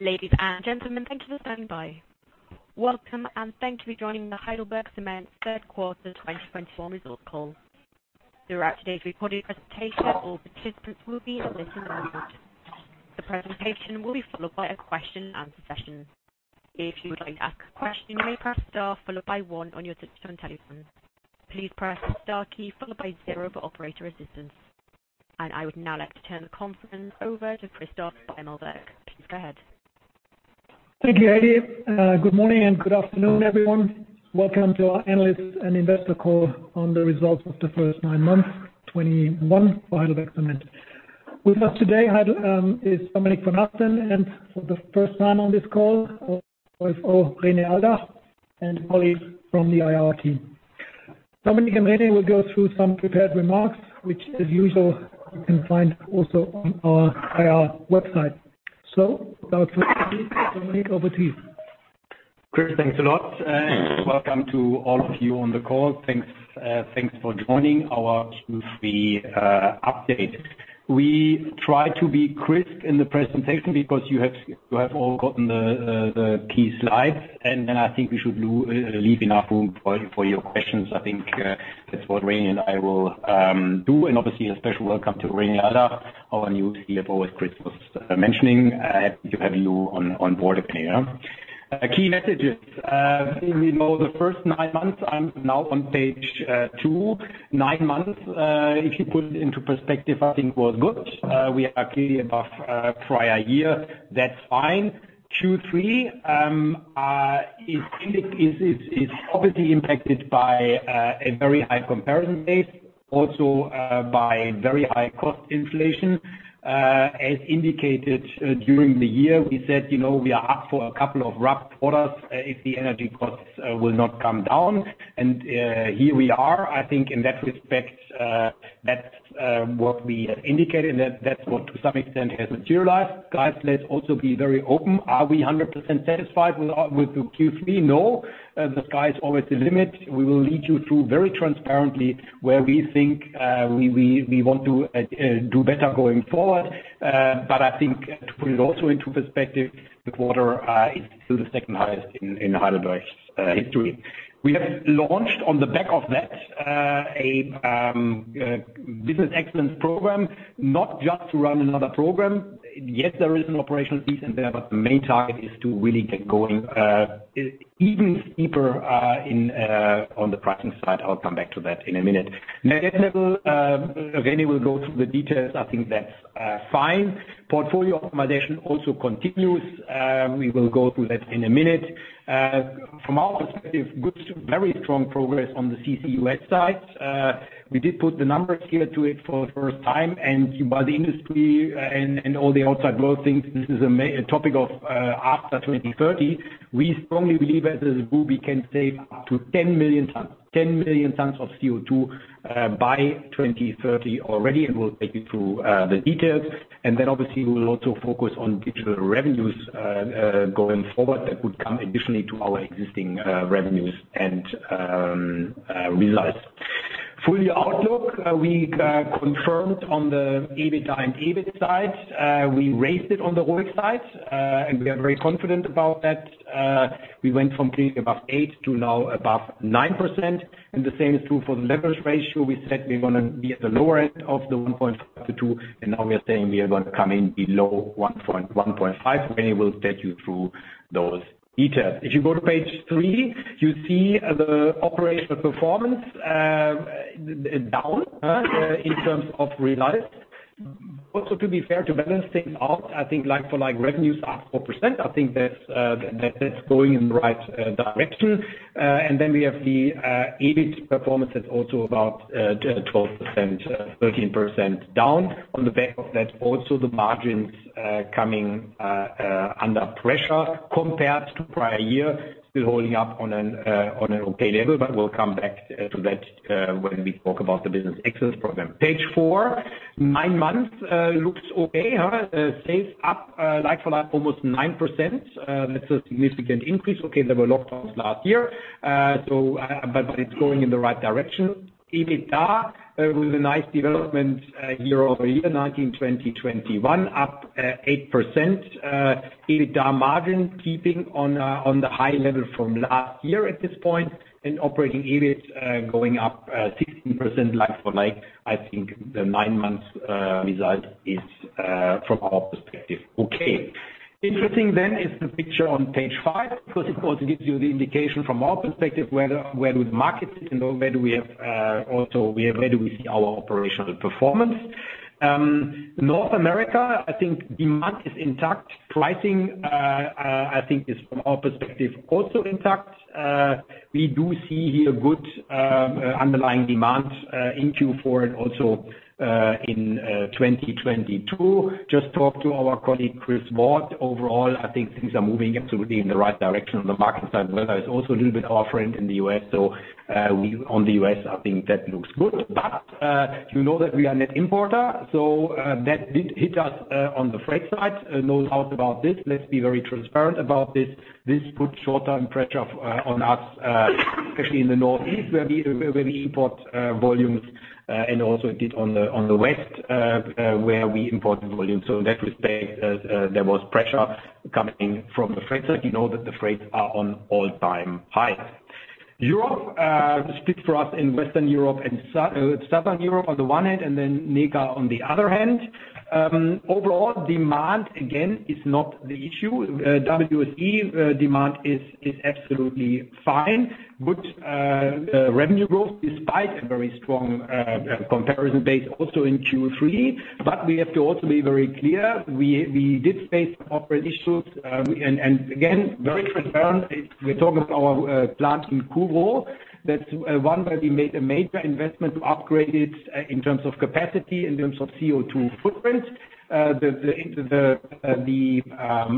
Ladies and gentlemen, thank you for standing by. Welcome, and thank you for joining the HeidelbergCement Third Quarter 2021 Results Call. Throughout today's recorded presentation, all participants will be in a listen only mode. The presentation will be followed by a question and answer session. If you would like to ask a question, you may press star followed by one on your touch-tone telephone. Please press the star key followed by zero for operator assistance. I would now like to turn the conference over to Christoph Beumelburg. Please go ahead. Thank you, Heidi. Good morning and good afternoon, everyone. Welcome to our analyst and investor call on the results of the first nine months, 2021 for HeidelbergCement. With us today is Dominik von Achten, and for the first time on this call, CFO René Aldach and Ollie from the IR team. Dominik and René will go through some prepared remarks, which as usual, you can find also on our IR website. Without further ado, Dominik, over to you. Chris, thanks a lot, and welcome to all of you on the call. Thanks for joining our Q3 update. We try to be crisp in the presentation because you have all gotten the key slides, and then I think we should leave enough room for your questions. I think that's what René and I will do, and obviously a special welcome to René Aldach, our new CFO, as Chris was mentioning. Happy to have you on board, René. Key messages. We know the first nine months, I'm now on page two. Nine months, if you put it into perspective, I think was good. We are clearly above prior year. That's fine. Q3 is obviously impacted by a very high comparison base, also by very high cost inflation. As indicated during the year, we said, you know, we are up for a couple of rough quarters if the energy costs will not come down, and here we are. I think in that respect, that's what we had indicated, and that's what to some extent has materialized. Guys, let's also be very open. Are we 100% satisfied with our—with the Q3? No. The sky is always the limit. We will lead you through very transparently where we think we want to do better going forward. But I think to put it also into perspective, the quarter is still the second-highest in Heidelberg's history. We have launched on the back of that a business excellence program, not just to run another program. Yes, there is an operational piece in there, but the main target is to really get going even deeper in on the pricing side. I'll come back to that in a minute. Next level, René will go through the details. I think that's fine. Portfolio optimization also continues. We will go through that in a minute. From our perspective, good, very strong progress on the CCUS side. We did put the numbers here to it for the first time. While the industry and all the outside world thinks this is a topic of after 2030, we strongly believe that as a group, we can save up to 10 million tons. 10 million tons of CO2 by 2030 already, and we'll take you through the details. Obviously we'll also focus on digital revenues going forward that would come additionally to our existing revenues and results. For the outlook, we confirmed on the EBITDA and EBIT side. We raised it on the ROIC side, and we are very confident about that. We went from clearly above 8 to now above 9%, and the same is true for the leverage ratio. We said we're gonna be at the lower end of the 1.0-2.0, and now we are saying we are gonna come in below 1.5. René will take you through those details. If you go to page three, you see the operational performance down in terms of results. To be fair, to balance things out, I think like for like revenues are up 4%. I think that's going in the right direction. Then we have the EBIT performance that's also about 12%, 13% down. On the back of that, also the margins coming under pressure compared to prior year, still holding up on an okay level, but we'll come back to that when we talk about the business excellence program. Page four. Nine months looks okay, huh? Sales up like for like almost 9%. That's a significant increase. Okay, there were lockdowns last year. It's going in the right direction. EBITDA with a nice development year-over-year, 2019, 2020, 2021, up 8%. EBITDA margin keeping on the high level from last year at this point. Operating EBIT going up 16% like for like. I think the nine months result is from our perspective okay. Interesting then is the picture on page five, because it also gives you the indication from our perspective whether where the market is and where we have also where we see our operational performance. North America, I think demand is intact. Pricing, I think is from our perspective also intact. We do see here good underlying demand in Q4 and also in 2022. Just talked to our colleague, Chris Ward. Overall, I think things are moving absolutely in the right direction on the market side. Weather is also a little bit our friend in the U.S. On the U.S., I think that looks good. You know that we are net importer, so that did hit us on the freight side. No doubt about this. Let's be very transparent about this. This puts short-term pressure on us, especially in the Northeast, where we import volumes, and also a bit on the West, where we import volumes. In that respect, there was pressure coming from the freight side. You know that the freights are on all-time high. Europe, split for us in Western Europe and Southern Europe on the one hand, and then NECA on the other hand. Overall demand again is not the issue. WSE demand is absolutely fine. Good revenue growth despite a very strong comparable base also in Q3. We have to also be very clear, we did face operational issues. Again, very transparent, we're talking of our plant in Couvrot. That's one where we made a major investment to upgrade it in terms of capacity, in terms of CO2 footprint. The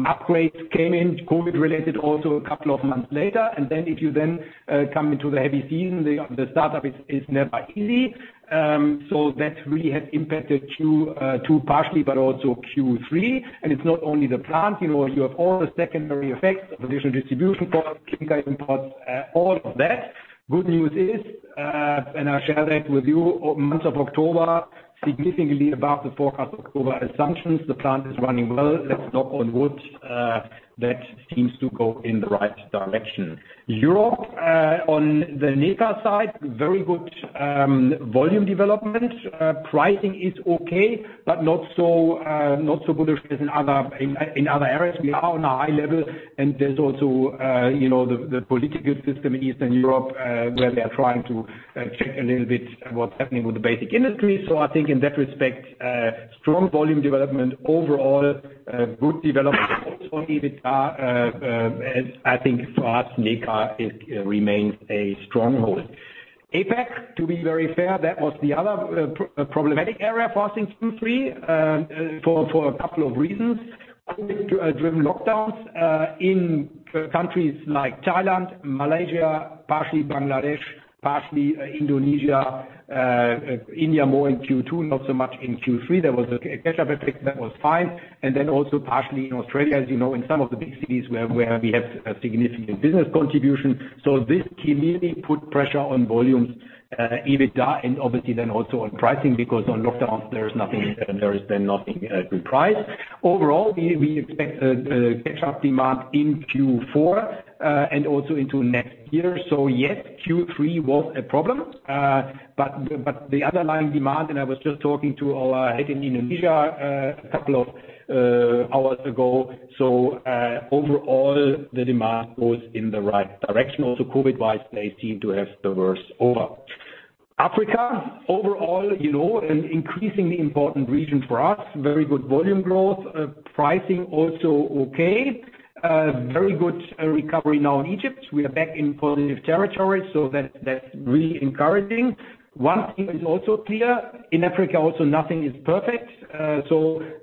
upgrades came in COVID-related also a couple of months later. Then if you come into the heavy season, the startup is never easy. That really has impacted Q2 partially, but also Q3. It's not only the plant, you know, you have all the secondary effects of additional distribution costs, shipping item costs, all of that. Good news is, and I'll share that with you. Month of October significantly above the forecast October assumptions. The plant is running well. Let's knock on wood. That seems to go in the right direction. Europe, on the NECA side, very good volume development. Pricing is okay, but not so good as in other areas. We are on a high level, and there's also, you know, the political system in Eastern Europe, where they're trying to check a little bit what's happening with the basic industry. I think in that respect, strong volume development overall, good development also on EBITDA. As I think for us, NECA remains a stronghold. APAC, to be very fair, that was the other problematic area for us in Q3, for a couple of reasons. COVID-driven lockdowns in countries like Thailand, Malaysia, partially Bangladesh, partially Indonesia, India more in Q2, not so much in Q3. There was a catch-up effect that was fine. Then also partially in Australia, as you know, in some of the big cities where we have a significant business contribution. This clearly put pressure on volumes, EBITDA and obviously then also on pricing because on lockdowns there's nothing, there is then nothing to price. Overall, we expect a catch-up demand in Q4 and also into next year. Yes, Q3 was a problem. But the underlying demand, and I was just talking to our head in Indonesia a couple of hours ago. Overall the demand goes in the right direction. Also, COVID-wise, they seem to have the worst over. Africa overall, you know, an increasingly important region for us. Very good volume growth. Pricing also okay. Very good recovery now in Egypt. We are back in positive territory, so that's really encouraging. One thing is also clear, in Africa also nothing is perfect.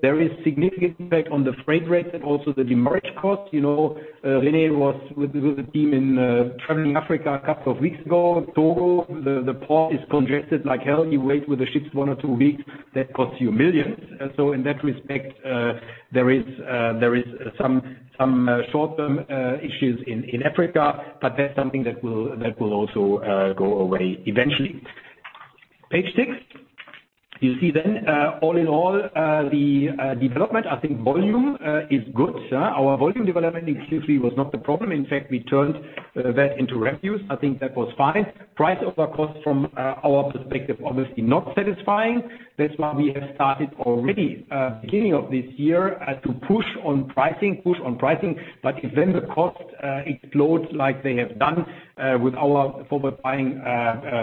There is significant impact on the freight rates and also the demurrage cost. You know, René was with the team in traveling Africa a couple of weeks ago. Togo, the port is congested like hell. You wait with the ships one or two weeks, that costs you millions. In that respect, there is some short-term issues in Africa, but that's something that will also go away eventually. Page six. You see then all in all the development, I think volume is good. Our volume development in Q3 was not the problem. In fact, we turned that into revenues. I think that was fine. Price over cost from our perspective, obviously not satisfying. That's why we have started already beginning of this year to push on pricing. If then the cost explodes like they have done with our forward buying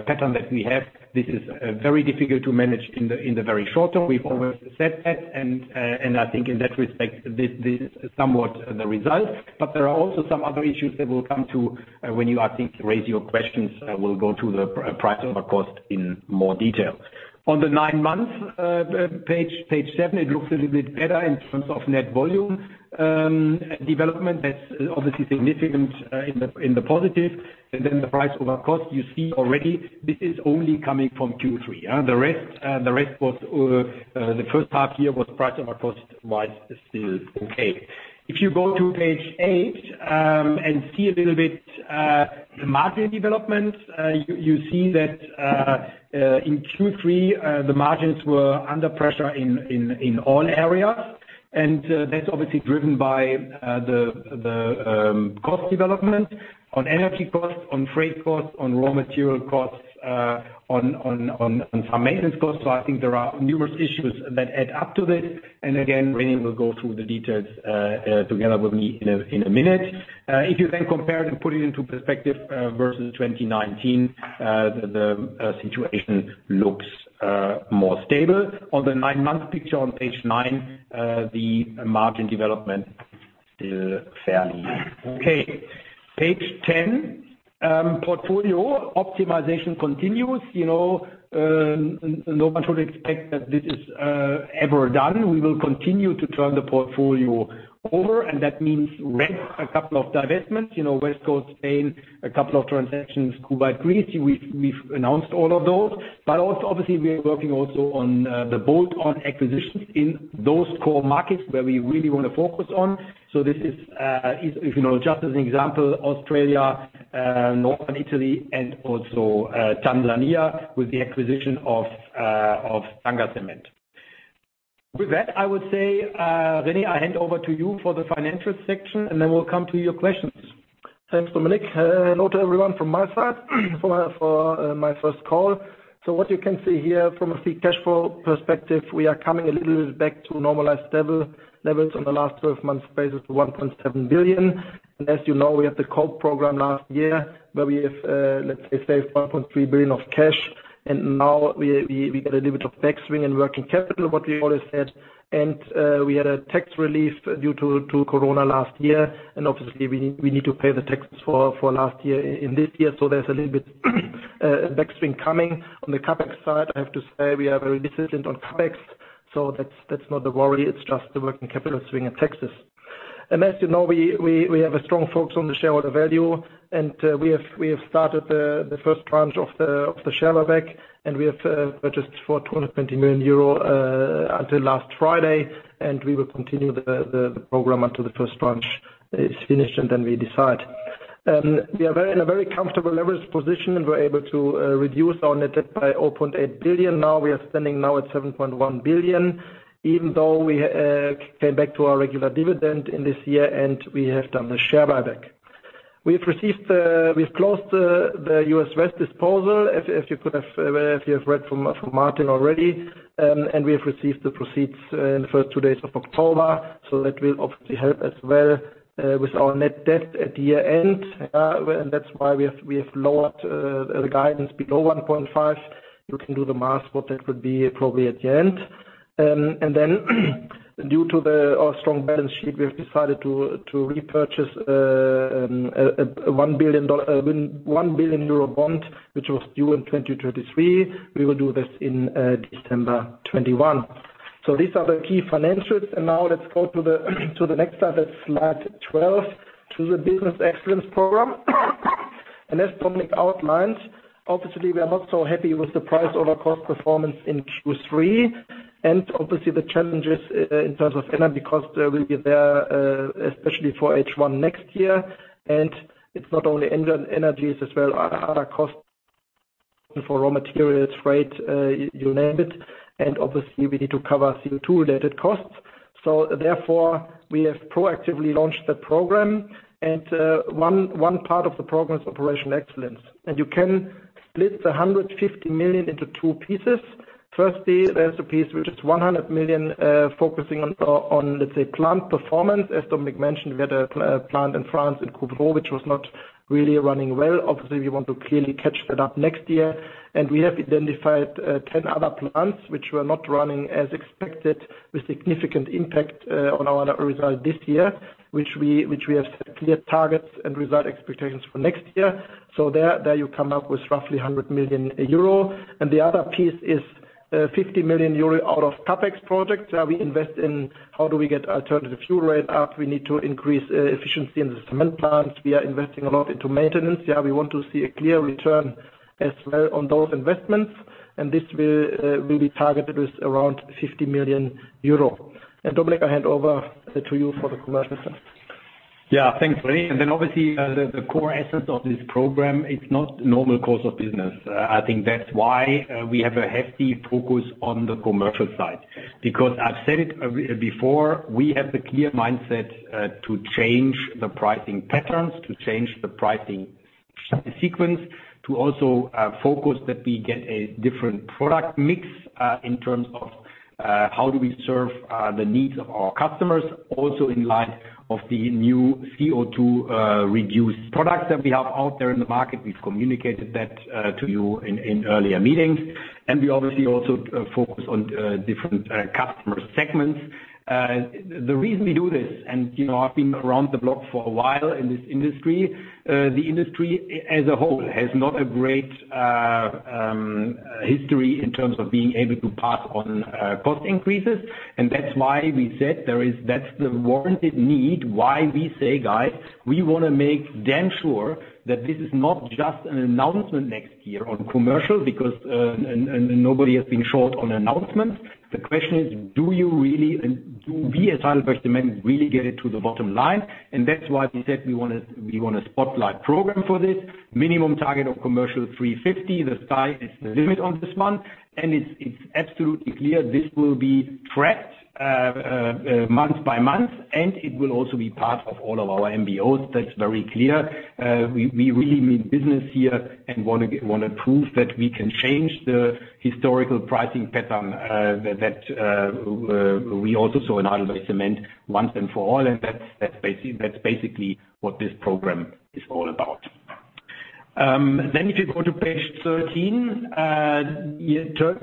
pattern that we have, this is very difficult to manage in the very short term. We've always said that and I think in that respect, this is somewhat the result. There are also some other issues that we'll come to when you, I think, raise your questions, we'll go through the price over cost in more detail. On the nine-month page seven, it looks a little bit better in terms of net volume development. That's obviously significant in the positive. Then the price over cost you see already, this is only coming from Q3, the rest, the first half year, was price over cost-wise still okay. If you go to page eight and see a little bit the margin development, you see that in Q3 the margins were under pressure in all areas. That's obviously driven by the cost development on energy costs, on freight costs, on raw material costs, on some maintenance costs. I think there are numerous issues that add up to this. René will go through the details together with me in a minute. If you then compare it and put it into perspective versus 2019, the situation looks more stable. On the nine-month picture on page nine, the margin development still fairly okay. Page 10, portfolio optimization continues. You know, no one should expect that this is ever done. We will continue to turn the portfolio over, and that means rather a couple of divestments. You know, West Coast, Spain, a couple of transactions, Kuwait, Greece, we've announced all of those. Also obviously we are working also on the bolt-on acquisitions in those core markets where we really wanna focus on. This is, you know, just as an example, Australia, northern Italy, and also Tanzania with the acquisition of Tanga Cement. With that, I would say, René, I hand over to you for the financial section, and then we'll come to your questions. Thanks, Dominik. Hello to everyone from my side for my first call. What you can see here from a free cash flow perspective, we are coming a little bit back to normalized levels on the last 12 months basis, 1.7 billion. As you know, we have the COPE program last year, where we have, let's say, saved 1.3 billion of cash. Now we get a little bit of backswing in working capital, what we always said. We had a tax relief due to Corona last year. Obviously we need to pay the taxes for last year in this year. There's a little bit of backswing coming. On the CapEx side, I have to say we are very disciplined on CapEx, so that's not the worry. It's just the working capital swing in taxes. As you know, we have a strong focus on the shareholder value, and we have started the first tranche of the share buyback, and we have purchased for 220 million euro as at last Friday, and we will continue the program until the first tranche is finished, and then we decide. We are in a very comfortable leverage position, and we're able to reduce our net debt by 0.8 billion now. We are standing now at 7.1 billion, even though we came back to our regular dividend in this year, and we have done the share buyback. We've closed the U.S. West disposal, as you have read from Martin already, and we have received the proceeds in the first two days of October. That will obviously help as well with our net debt at year-end. That's why we have lowered the guidance below 1.5. You can do the math, but that would be probably at the end. Then due to our strong balance sheet, we have decided to repurchase a 1 billion euro bond, which was due in 2023. We will do this in December 2021. These are the key financials. Now let's go to the next slide, that's slide 12, to the business excellence program. As Dominik outlined, obviously, we are not so happy with the price over cost performance in Q3. Obviously the challenges in terms of energy costs will be there, especially for H1 next year. It's not only energy as well, other costs for raw materials, freight, you name it. Obviously we need to cover CO2-related costs. Therefore, we have proactively launched the program. One part of the program is operational excellence. You can split the 150 million into two pieces. Firstly, there's the piece which is 100 million, focusing on, let's say, plant performance. As Dominik mentioned, we had a plant in France, in Couvrot, which was not really running well. Obviously, we want to clearly catch that up next year. We have identified 10 other plants which were not running as expected, with significant impact on our results this year, which we have set clear targets and result expectations for next year. So there you come up with roughly 100 million euro. The other piece is 50 million euro out of CapEx projects. We invest in how do we get alternative fuel rate up. We need to increase efficiency in the cement plants. We are investing a lot into maintenance. Yeah, we want to see a clear return as well on those investments, and this will be targeted with around 50 million euro. Dominik, I hand over to you for the commercial side. Yeah. Thanks, René. Obviously, the core essence of this program, it's not normal course of business. I think that's why we have a hefty focus on the commercial side. Because I've said it before, we have the clear mindset to change the pricing patterns, to change the pricing sequence, to also focus that we get a different product mix in terms of how do we serve the needs of our customers, also in light of the new CO2 reduced products that we have out there in the market. We've communicated that to you in earlier meetings. We obviously also focus on different customer segments. The reason we do this, you know, I've been around the block for a while in this industry, the industry as a whole has not a great history in terms of being able to pass on cost increases. That's why we said that's the warranted need why we say, guys, we want to make damn sure that this is not just an announcement next year on commercial because, and nobody has been short on announcements. The question is, do you really and do we as Heidelberg Materials really get it to the bottom line? That's why we said we want a spotlight program for this. Minimum target of commercial 350. The sky is the limit on this one. It's absolutely clear this will be tracked month by month, and it will also be part of all of our MBOs. That's very clear. We really mean business here and wanna prove that we can change the historical pricing pattern that we also saw in HeidelbergCement once and for all. That's basically what this program is all about. If you go to page 13,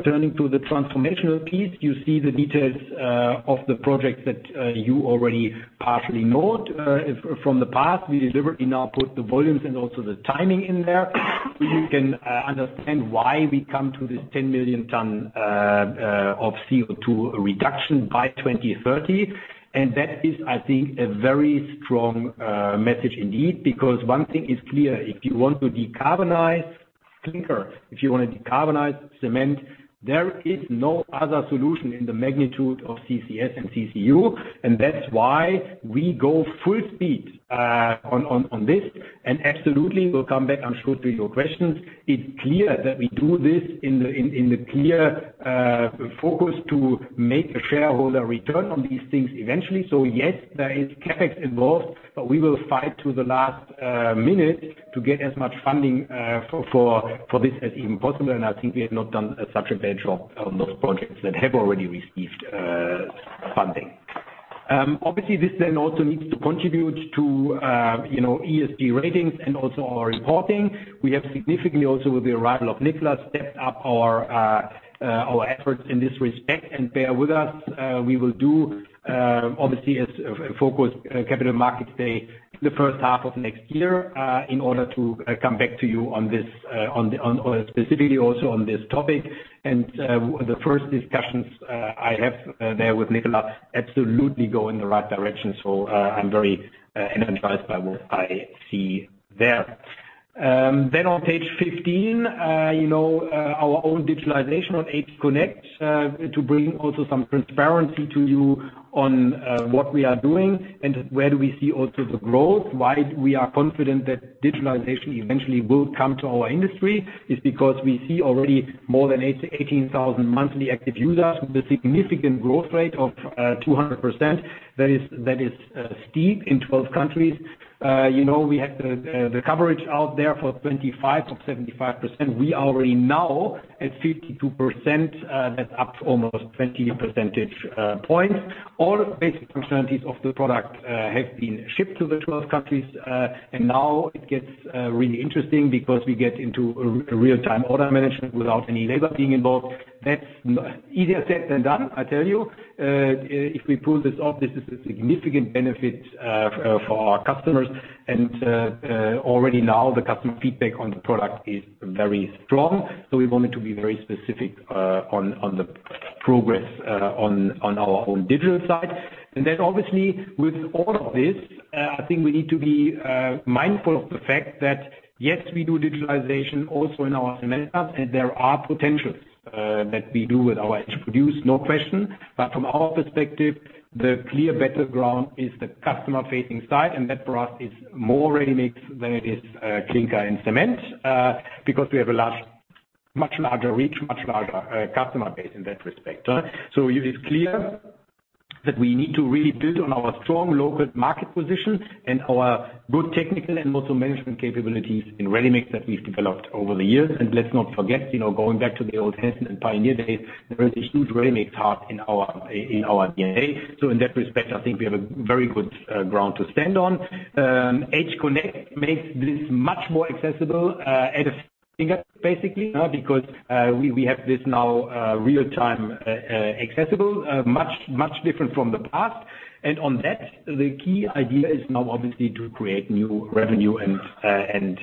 turning to the transformational piece, you see the details of the projects that you already partially know from the past. We deliberately now put the volumes and also the timing in there. You can understand why we come to this 10 million tons of CO2 reduction by 2030. That is, I think, a very strong message indeed, because one thing is clear. If you want to decarbonize clinker. If you want to decarbonize cement, there is no other solution in the magnitude of CCS and CCU, and that's why we go full speed on this. Absolutely, we'll come back, I'm sure, to your questions. It's clear that we do this in the clear focus to make a shareholder return on these things eventually. Yes, there is CapEx involved, but we will fight to the last minute to get as much funding for this as even possible. I think we have not done such a bad job on those projects that have already received funding. Obviously this then also needs to contribute to, you know, ESG ratings and also our reporting. We have significantly also with the arrival of Nicola, stepped up our efforts in this respect. Bear with us, we will do, obviously as a focused Capital Markets Day the first half of next year, in order to come back to you on this, specifically also on this topic. The first discussions I have there with Nicola absolutely go in the right direction. I'm very energized by what I see there. On page 15, you know, our own digitalization on HConnect, to bring also some transparency to you on, what we are doing and where do we see also the growth. Why we are confident that digitalization eventually will come to our industry, is because we see already more than 18,000 monthly active users with a significant growth rate of 200%. That is steep in 12 countries. You know, we had the coverage out there for 25 of 75%. We are already now at 52%. That's up almost 20 percentage points. All basic functionalities of the product have been shipped to the 12 countries, and now it gets really interesting because we get into a real-time order management without any labor being involved. That's easier said than done, I tell you. If we pull this off, this is a significant benefit for our customers. Already now the customer feedback on the product is very strong. We wanted to be very specific on the progress on our own digital side. Then obviously with all of this, I think we need to be mindful of the fact that, yes, we do digitalization also in our cement plants, and there are potentials that we do with our HProduce, no question. From our perspective, the clear better ground is the customer facing side, and that for us is more ready-mix than it is clinker and cement because we have a much larger reach, much larger customer base in that respect. It is clear that we need to really build on our strong local market position and our good technical and also management capabilities in ready-mix that we've developed over the years. Let's not forget, going back to the old Hanson and Pioneer days, there is a huge ready-mix heart in our DNA. In that respect, I think we have a very good ground to stand on. HConnect makes this much more accessible at your fingertips basically, because we have this now real-time accessible, much different from the past. On that, the key idea is now obviously to create new revenue and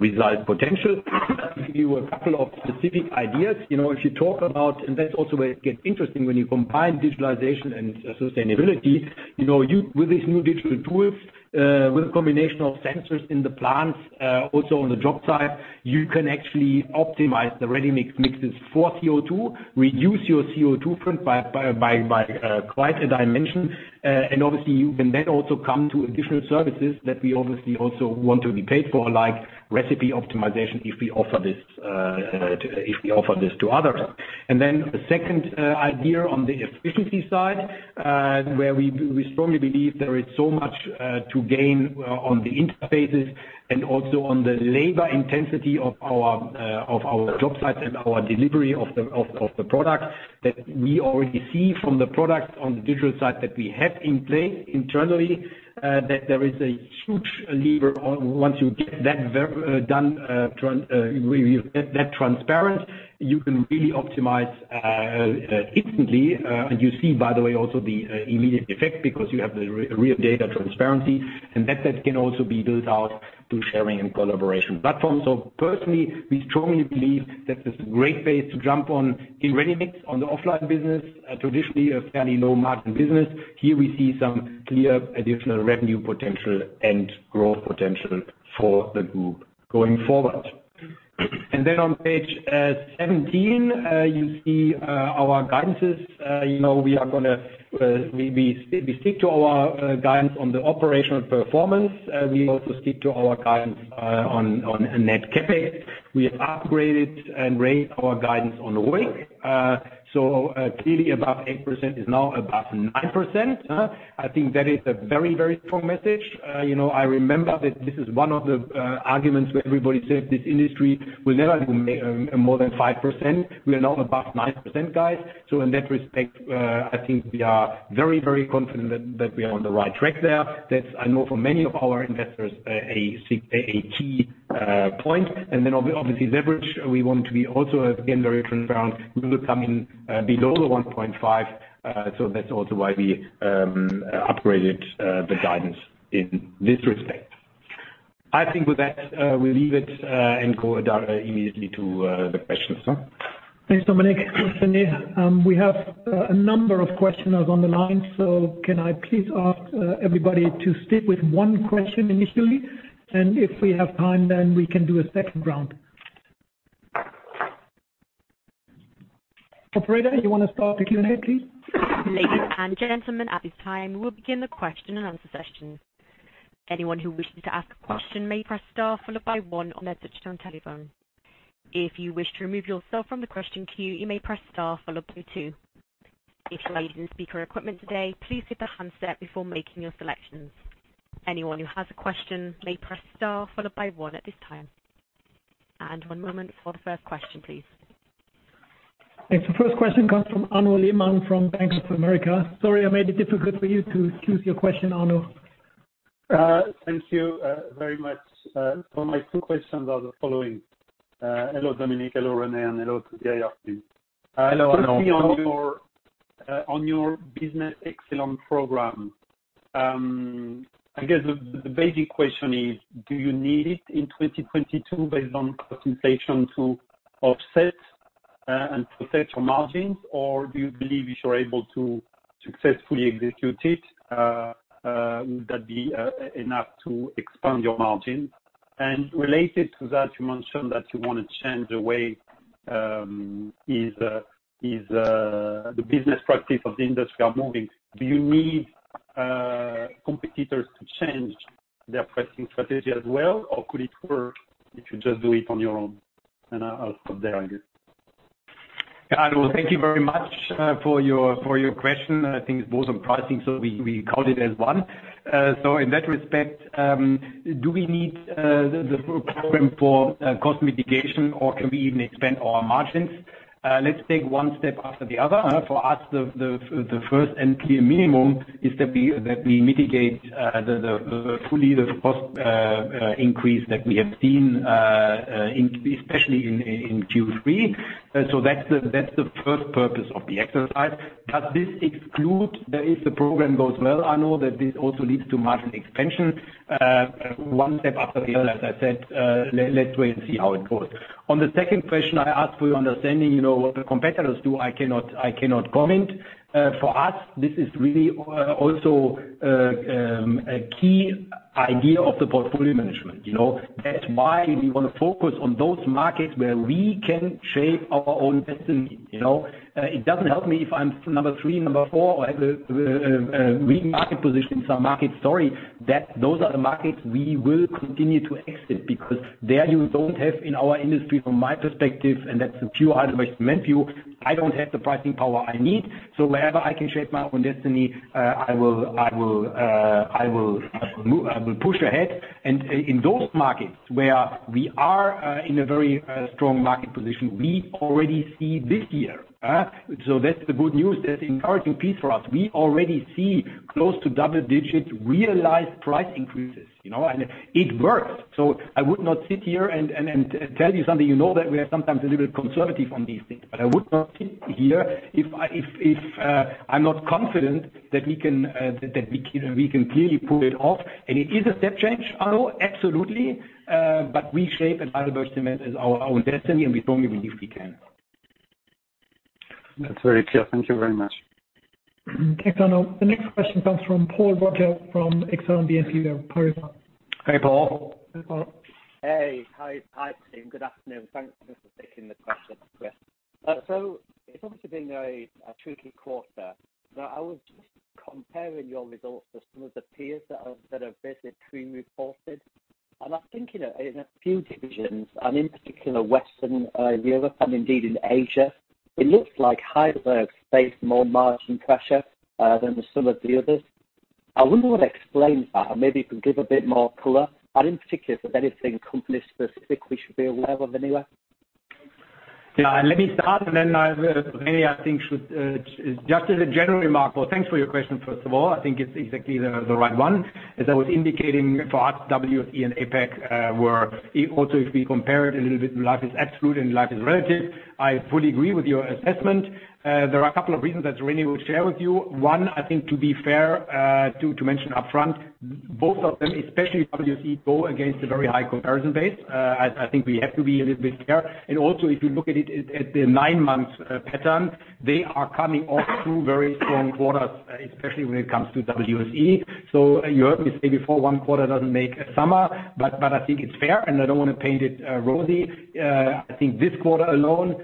realize potential. To give you a couple of specific ideas, you know, if you talk about, and that's also where it gets interesting when you combine digitalization and sustainability. You know, with these new digital tools, with a combination of sensors in the plants, also on the job site, you can actually optimize the ready-mix mixes for CO2, reduce your CO2 footprint by quite a dimension. Obviously, you can then also come to additional services that we obviously also want to be paid for, like recipe optimization, if we offer this to others. The second idea on the efficiency side, where we strongly believe there is so much to gain on the interfaces and also on the labor intensity of our job sites and our delivery of the product. That we already see from the product on the digital side that we have in place internally, that there is a huge lever once you get that version done, that transparent, you can really optimize instantly. You see, by the way, also the immediate effect because you have the real data transparency, and that set can also be built out through sharing and collaboration platforms. Personally, we strongly believe that this is a great place to jump on in ready-mix on the offline business, traditionally a fairly low margin business. Here we see some clear additional revenue potential and growth potential for the group going forward. Then on page 17, you see our guidance's, you know, we are gonna stick to our guidance on the operational performance. We also stick to our guidance on net CapEx. We have upgraded and raised our guidance on ROIC. Clearly above 8% is now above 9%. I think that is a very, very strong message. You know, I remember that this is one of the arguments where everybody said this industry will never make more than 5%. We are now above 9%, guys. In that respect, I think we are very, very confident that we are on the right track there. That's, I know, for many of our investors a key point. Obviously, leverage. We want to be also, again, very transparent. We will come in below the 1.5. That's also why we upgraded the guidance in this respect. I think with that, we leave it and go immediately to the questions. Thanks, Dominik. We have a number of questioners on the line, so can I please ask everybody to stick with one question initially, and if we have time then we can do a second round. Operator, you wanna start the Q&A, please? Ladies and gentlemen, at this time we'll begin the question and answer session. Anyone who wishes to ask a question may press star followed by one on their touch-tone telephone. If you wish to remove yourself from the question queue, you may press star followed by two. If you are using speaker equipment today, please hit the handset before making your selections. Anyone who has a question may press star followed by one at this time. One moment for the first question, please. Thanks. The first question comes from Arnaud Lehmann from Bank of America. Sorry I made it difficult for you to choose your question, Arnaud. Thank you very much. My two questions are the following. Hello Dominik, hello René, and hello to the IR team. Hello, Arnaud. How are you? On your business excellence program, I guess the basic question is, do you need it in 2022 based on presentation to offset and to set your margins? Or do you believe if you're able to successfully execute it, would that be enough to expand your margins? Related to that, you mentioned that you wanna change the way the business practice of the industry are moving. Do you need competitors to change their pricing strategy as well, or could it work if you just do it on your own? I'll stop there, I guess. Yeah, Arnaud, thank you very much for your question. I think it's both on pricing, so we count it as one. So in that respect, do we need the full program for cost mitigation, or can we even expand our margins? Let's take one step after the other. For us, the first and clear minimum is that we mitigate fully the cost increase that we have seen, especially in Q3. So that's the first purpose of the exercise. Does this exclude, if the program goes well, Arnaud, that this also leads to margin expansion? One step after the other, as I said. Let's wait and see how it goes. On the second question, I ask for your understanding. You know, what the competitors do, I cannot comment. For us, this is really also a key idea of the portfolio management, you know? That's why we wanna focus on those markets where we can shape our own destiny, you know? It doesn't help me if I'm number three, number four or at the weak market position in some markets. Sorry, those are the markets we will continue to exit, because there you don't have in our industry from my perspective, and that's a few other ways too, in my view, I don't have the pricing power I need. Wherever I can shape my own destiny, I will push ahead. In those markets where we are in a very strong market position, we already see this year. That's the good news. That's the encouraging piece for us. We already see close to double digits realized price increases, you know, and it works. I would not sit here and tell you something you know, that we are sometimes a little conservative on these things. I would not sit here if I'm not confident that we can clearly pull it off. It is a step change, Arnaud, absolutely. We shape our own destiny at Heidelberg Materials, and we firmly believe we can. That's very clear. Thank you very much. Thanks, Arnaud. The next question comes from Paul Roger from Exane BNP Paribas. Hey, Paul. Hey, Paul. Hey. Hi, hi team. Good afternoon. Thank you for taking the question. So it's obviously been a tricky quarter. Now, I was just comparing your results to some of the peers that have basically pre-reported. I think in a few divisions, and in particular Western Europe and indeed in Asia, it looks like Heidelberg has faced more margin pressure than some of the others. I wonder what explains that, and maybe you can give a bit more color, and in particular if there's anything company specific we should be aware of anywhere. Yeah. Let me start, and then, René I think should just as a general remark. Well, thanks for your question, first of all. I think it's exactly the right one. As I was indicating for us, WSE and APAC were also if we compare it a little bit, life is absolute and life is relative. I fully agree with your assessment. There are a couple of reasons that René will share with you. One, I think to be fair, to mention upfront, both of them, especially WSE, go against a very high comparison base. I think we have to be a little bit fair. Also, if you look at it at the nine-month pattern, they are coming off two very strong quarters, especially when it comes to WSE. You heard me say before, one quarter doesn't make a summer, but I think it's fair, and I don't wanna paint it rosy. I think this quarter alone,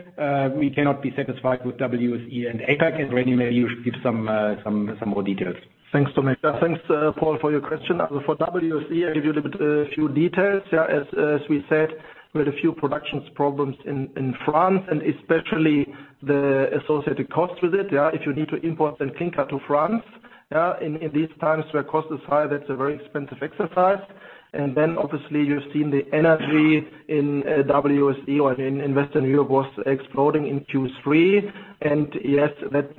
we cannot be satisfied with WSE and APAC, and René, maybe you should give some more details. Thanks, Dominik. Thanks, Paul, for your question. For WSE, I give you a little bit, few details. Yeah, as we said, we had a few production problems in France, and especially the associated cost with it, yeah. If you need to import some clinker to France, in these times where cost is high, that's a very expensive exercise. Obviously you've seen the energy in WSE or in Western Europe was exploding in Q3. Yes, that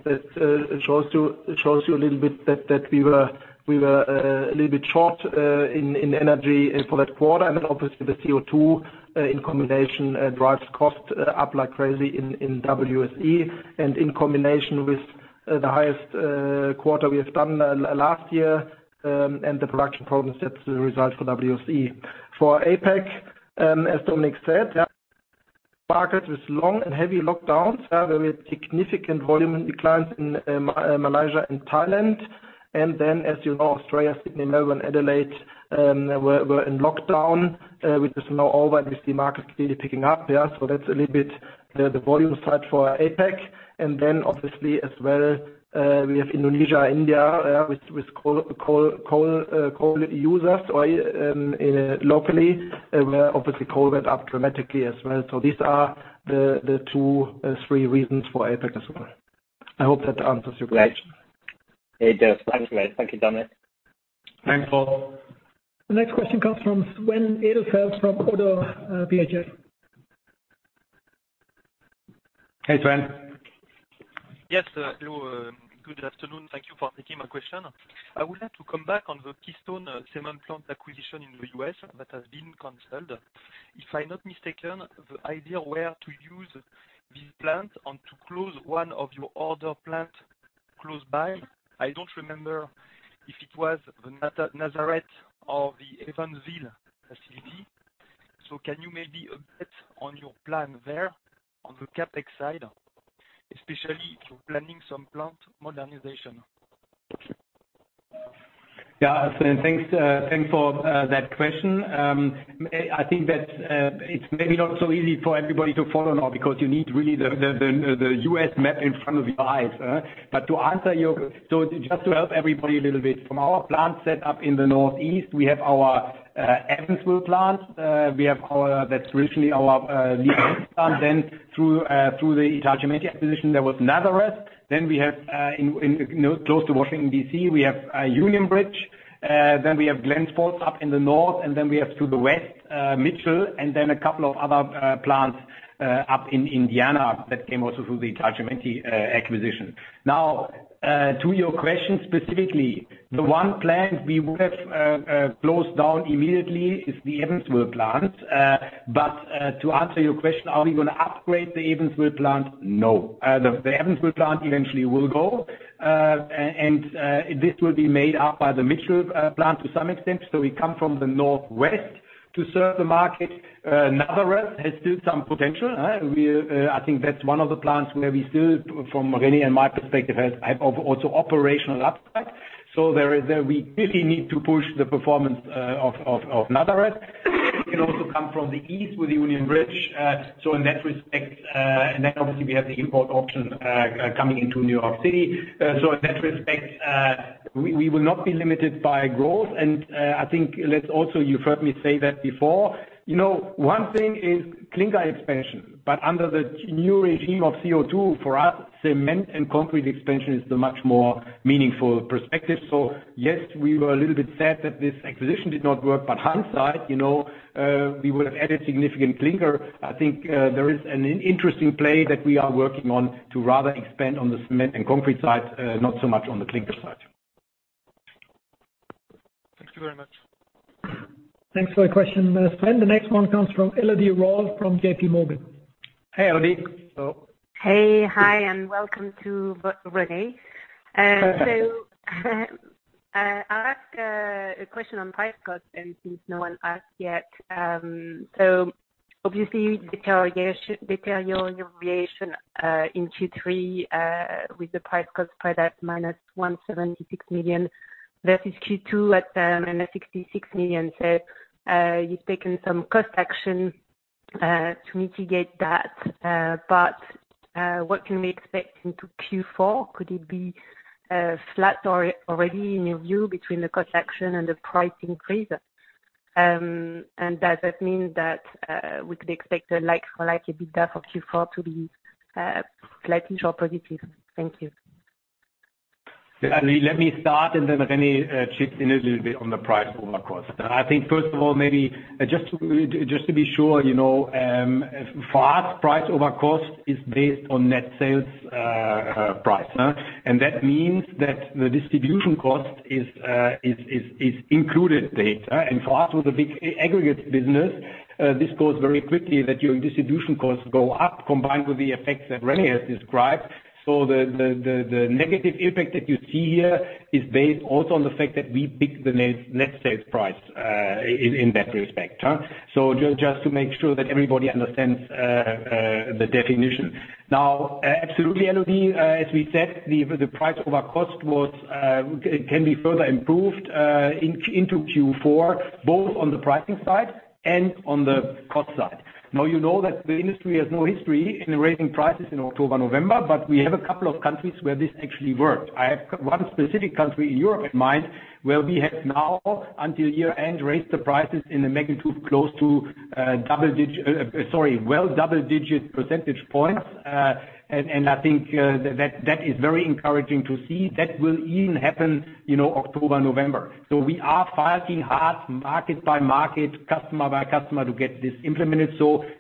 shows you a little bit that we were a little bit short in energy for that quarter. Obviously the CO2 in combination drives cost up like crazy in WSE. In combination with the highest quarter we have done last year, and the production problems that's the result for WSE. For APAC, as Dominik said, market with long and heavy lockdowns. There were significant volume declines in Malaysia and Thailand. As you know, Australia, Sydney, Melbourne, Adelaide were in lockdown, which is now over and we see markets clearly picking up. That's a little bit the volume side for APAC. Obviously as well, we have Indonesia, India with coal users or locally, where obviously coal went up dramatically as well. These are the two three reasons for APAC as well. I hope that answers your question. It does. Thank you mate. Thank you, Dominik. Thanks, Paul. The next question comes from Sven Edelfelt from ODDO BHF. Hey, Sven. Yes. Hello. Good afternoon. Thank you for taking my question. I would like to come back on the Keystone Cement Plant acquisition in the U.S. that has been canceled. If I'm not mistaken, the idea were to use this plant and to close one of your other plant close by. I don't remember if it was the Nazareth or the Evansville facility. Can you maybe update on your plan there on the CapEx side, especially if you're planning some plant modernization? Yeah. Sven, thanks for that question. I think that it's maybe not so easy for everybody to follow now because you need really the U.S. map in front of your eyes. So just to help everybody a little bit, from our plant set up in the Northeast, we have our Evansville plant. That's traditionally our plant. Then through the Italcementi acquisition, there was Nazareth. Then we have in close to Washington, D.C., we have Union Bridge. Then we have Glens Falls up in the north, and then we have to the west, Mitchell, and then a couple of other plants up in Indiana that came also through the Italcementi acquisition. Now, to your question specifically, the one plant we would have closed down immediately is the Evansville plant. To answer your question, are we gonna upgrade the Evansville plant? No. The Evansville plant eventually will go. This will be made up by the Mitchell plant to some extent. We come from the northwest to serve the market. Nazareth has still some potential. I think that's one of the plants where we still, from René and my perspective, have also operational upside. We really need to push the performance of Nazareth. We can also come from the east with the Union Bridge. In that respect, and then obviously we have the import option coming into New York City. In that respect, we will not be limited by growth. I think you've heard me say that before. You know, one thing is clinker expansion, but under the new regime of CO2, for us, cement and concrete expansion is the much more meaningful perspective. Yes, we were a little bit sad that this acquisition did not work. In hindsight, you know, we would have added significant clinker. I think there is an interesting play that we are working on to rather expand on the cement and concrete side, not so much on the clinker side. Thank you very much. Thanks for the question, Sven. The next one comes from Elodie Rall from JPMorgan. Hey, Elodie. Hello. Hey. Hi, and welcome to René. I'll ask a question on price-cost and since no one asked yet. Obviously detail your inflation in Q3 with the price-cost per ton -176 million versus Q2 at 66 million. You've taken some cost action to mitigate that. What can we expect into Q4? Could it be flat or already in your view between the cost action and the price increase? Does that mean that we could expect a like-for-like EBITDA for Q4 to be slightly or positive? Thank you. Yeah. Let me start and then René chips in a little bit on the price over cost. I think first of all, maybe just to be sure, you know, for us, price over cost is based on net sales price. That means that the distribution cost is included there. For us with the big aggregate business, this goes very quickly that your distribution costs go up combined with the effects that René has described. The negative impact that you see here is based also on the fact that we pick the net sales price in that respect. Just to make sure that everybody understands the definition. Absolutely, Elodie, as we said, the price over cost can be further improved into Q4, both on the pricing side and on the cost side. You know that the industry has no history in raising prices in October, November, but we have a couple of countries where this actually worked. I have one specific country in Europe in mind, where we have now until year-end raised the prices in the magnitude close to double-digit percentage points. And I think that is very encouraging to see. That will even happen, you know, October, November. We are fighting hard market by market, customer by customer to get this implemented.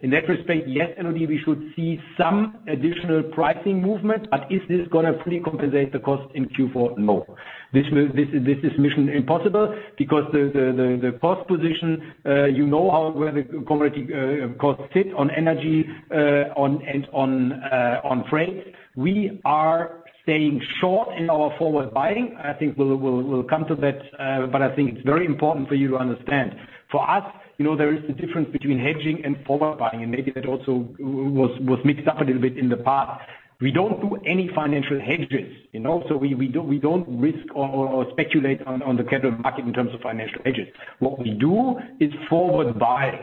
In that respect, yes, Elodie, we should see some additional pricing movement. Is this gonna fully compensate the cost in Q4? No. This is mission impossible because the cost position, you know, where the commodity costs sit on energy, on and on freight. We are staying short in our forward buying. I think we'll come to that, but I think it's very important for you to understand. For us, you know, there is the difference between hedging and forward buying, and maybe that also was mixed up a little bit in the past. We don't do any financial hedges, you know. We don't risk or speculate on the capital market in terms of financial hedges. What we do is forward buying.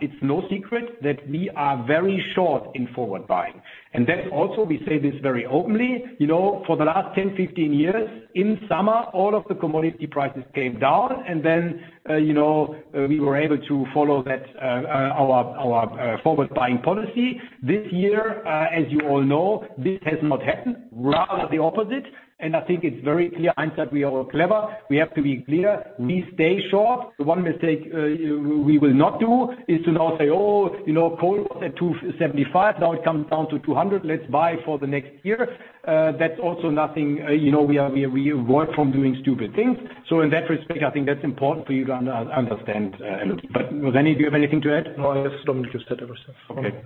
It's no secret that we are very short in forward buying. That also, we say this very openly, you know, for the last 10, 15 years, in summer, all of the commodity prices came down and then, you know, we were able to follow that, our forward buying policy. This year, as you all know, this has not happened, rather the opposite. I think it's very clear in hindsight we are clever. We have to be clear, we stay short. The one mistake we will not do is to now say, "Oh, you know, coal was at 275, now it comes down to 200. Let's buy for the next year." That's also nothing. You know, we avoid doing stupid things. In that respect, I think that's important for you to understand, Elodie. René, do you have anything to add? No, as Dominik just said everything.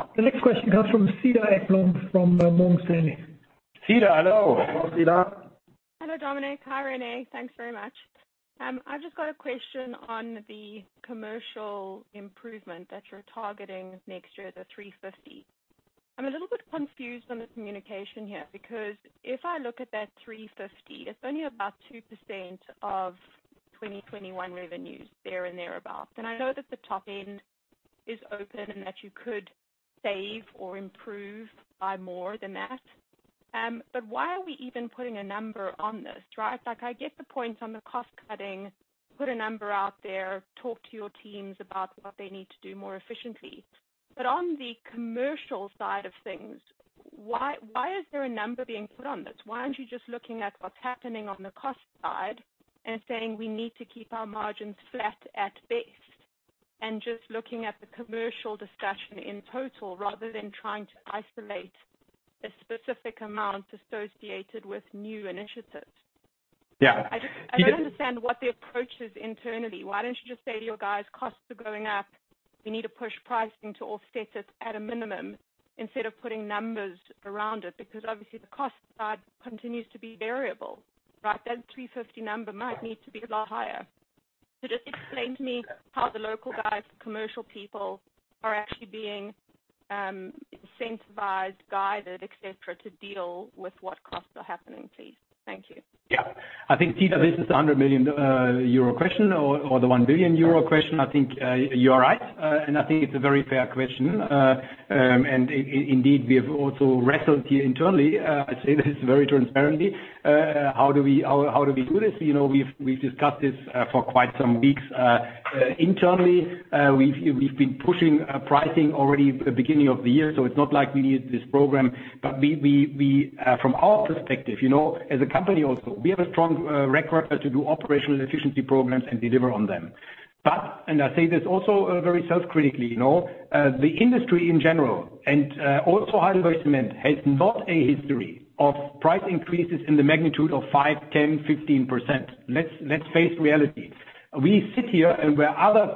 Okay. The next question comes from Cedar Ekblom from Morgan Stanley. Cedar, hello. Hello, Cedar. Hello, Dominik. Hi, René. Thanks very much. I've just got a question on the commercial improvement that you're targeting next year, the 350 million. I'm a little bit confused on the communication here, because if I look at that 350 million, it's only about 2% of 2021 revenues thereabouts. I know that the top end is open and that you could save or improve by more than that. Why are we even putting a number on this, right? Like, I get the point on the cost-cutting, put a number out there, talk to your teams about what they need to do more efficiently. On the commercial side of things, why is there a number being put on this? Why aren't you just looking at what's happening on the cost side and saying, we need to keep our margins flat at best, and just looking at the commercial discussion in total rather than trying to isolate the specific amount associated with new initiatives? Yeah. I just, I don't understand what the approach is internally. Why don't you just say to your guys, costs are going up, we need to push pricing to offset it at a minimum instead of putting numbers around it, because obviously the cost side continues to be variable, right? That 350 number might need to be a lot higher. Just explain to me how the local guys, commercial people are actually being incentivized, guided, et cetera, to deal with what costs are happening, please. Thank you. Yeah. I think, Cedar, this is a 100 million euro question or the 1 billion euro question. I think, you are right, and I think it's a very fair question. Indeed, we have also wrestled here internally. I say this very transparently, how do we do this? You know, we've discussed this for quite some weeks. Internally, we've been pushing pricing already the beginning of the year, so it's not like we need this program. But we, from our perspective, you know, as a company also, we have a strong record to do operational efficiency programs and deliver on them. I say this also very self-critically, you know, the industry in general and also Heidelberg Materials has not a history of price increases in the magnitude of five, 10, 15%. Let's face reality. We sit here, and where other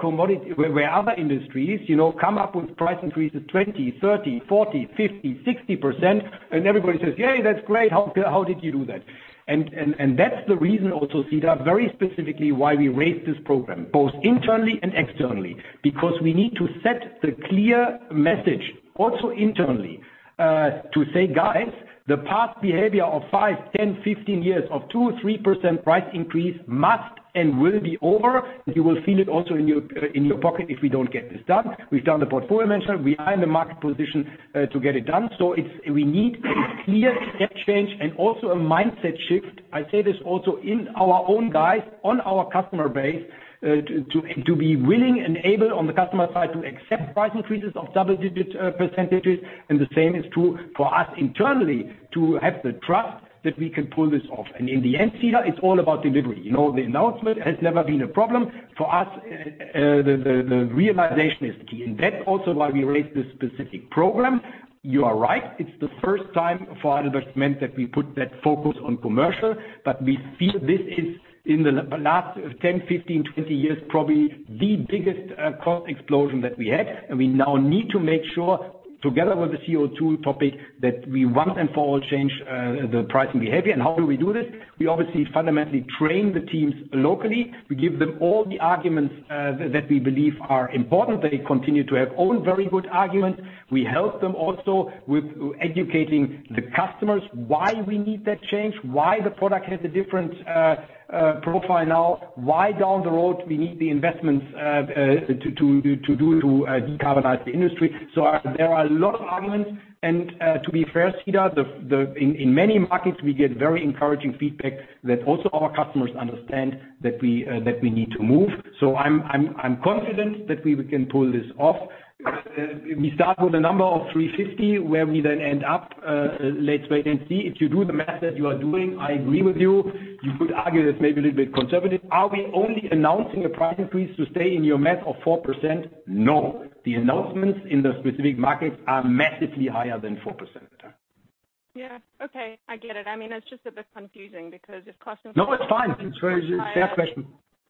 industries, you know, come up with price increases 20%, 30%, 40%, 50%, 60%, and everybody says, "Yay, that's great. How did you do that?" That's the reason also, Cedar, very specifically why we raised this program, both internally and externally, because we need to set the clear message also internally to say, "Guys, the past behavior of five, 10, 15 years of 2% or 3% price increase must and will be over. You will feel it also in your pocket if we don't get this done." We've done the portfolio mention. We are in the market position to get it done. We need a clear step change and also a mindset shift. I say this also in our own guys, on our customer base, to be willing and able on the customer side to accept price increases of double-digit percentages, and the same is true for us internally to have the trust that we can pull this off. In the end, Cedar, it's all about delivery. You know, the announcement has never been a problem for us. The realization is key, and that's also why we raised this specific program. You are right, it's the first time for HeidelbergCement that we put that focus on commercial, but we feel this is in the last 10, 15, 20 years, probably the biggest cost explosion that we had. We now need to make sure, together with the CO2 topic, that we once and for all change the pricing behavior. How do we do this? We obviously fundamentally train the teams locally. We give them all the arguments that we believe are important. They continue to have own very good arguments. We help them also with educating the customers, why we need that change, why the product has a different profile now, why down the road we need the investments to decarbonize the industry. There are a lot of arguments. To be fair, Cedar, in many markets, we get very encouraging feedback that also our customers understand that we need to move. I'm confident that we can pull this off. We start with a number of 350, where we then end up, let's wait and see. If you do the math that you are doing, I agree with you. You could argue that's maybe a little bit conservative. Are we only announcing a price increase to stay in your math of 4%? No. The announcements in the specific markets are massively higher than 4%. Yeah. Okay. I get it. I mean, it's just a bit confusing because if cost No, it's fine. It's very fair question.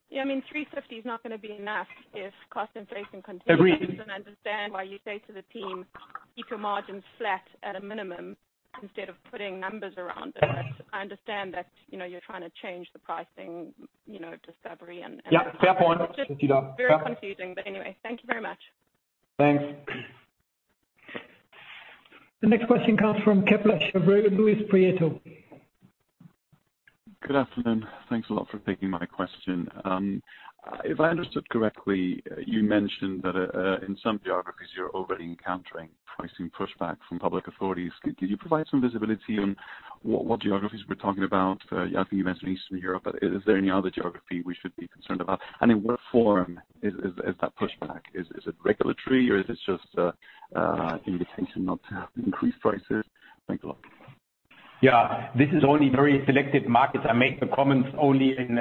Yeah. I mean, 350 is not gonna be enough if cost inflation continues. Agreed. I just don't understand why you say to the team, "Keep your margins flat at a minimum instead of putting numbers around it." I understand that, you know, you're trying to change the pricing, you know, discovery and. Yeah, fair point, Cedar. It's just very confusing. Anyway, thank you very much. Thanks. The next question comes from Kepler Cheuvreux, Luis Prieto. Good afternoon. Thanks a lot for taking my question. If I understood correctly, you mentioned that in some geographies you're already encountering pricing pushback from public authorities. Could you provide some visibility on what geographies we're talking about? I think you mentioned Eastern Europe, but is there any other geography we should be concerned about? And in what form is that pushback? Is it regulatory or is this just an indication not to increase prices? Thanks a lot. Yeah, this is only very selected markets. I made the comments only in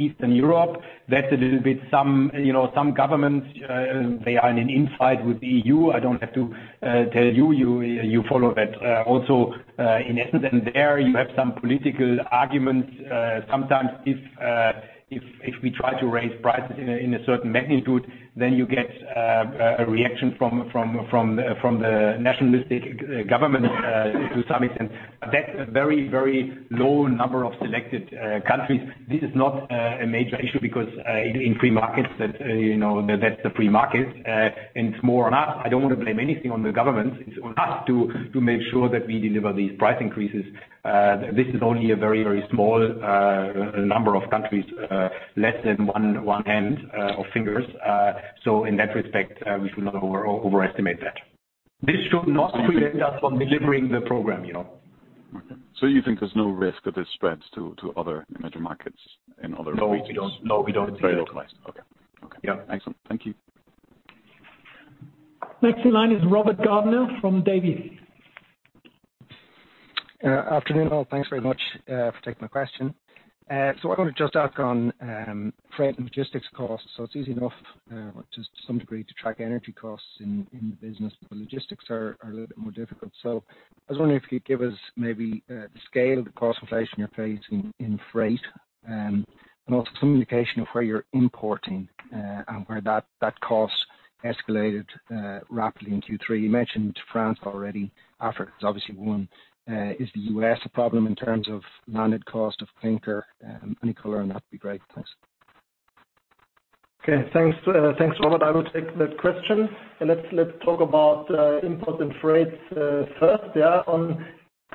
Eastern Europe. That's a little bit some governments, they are in a fight with the EU. I don't have to tell you follow that. Also, in essence, there you have some political arguments. Sometimes if we try to raise prices in a certain magnitude, then you get a reaction from the nationalistic government, to some extent. But that's a very low number of selected countries. This is not a major issue because in free markets that's the free market. It's more on us. I don't want to blame anything on the government. It's on us to make sure that we deliver these price increases. This is only a very small number of countries, less than one hand of fingers. In that respect, we should not overestimate that. This should not prevent us from delivering the program, you know? You think there's no risk that this spreads to other emerging markets in other regions? No, we don't see that. Very localized. Okay. Okay. Yeah. Excellent. Thank you. Next in line is Robert Gardner from Davy. Afternoon, all. Thanks very much for taking my question. I want to just ask on freight and logistics costs. It's easy enough, to some degree, to track energy costs in the business, but logistics are a little bit more difficult. I was wondering if you could give us maybe the scale of the cost inflation you're facing in freight, and also some indication of where you're importing, and where that cost escalated rapidly in Q3. You mentioned France already. Africa is obviously one. Is the U.S. a problem in terms of landed cost of clinker? Any color on that would be great. Thanks. Okay. Thanks, Robert. I will take that question. Let's talk about import and freight first. Yeah.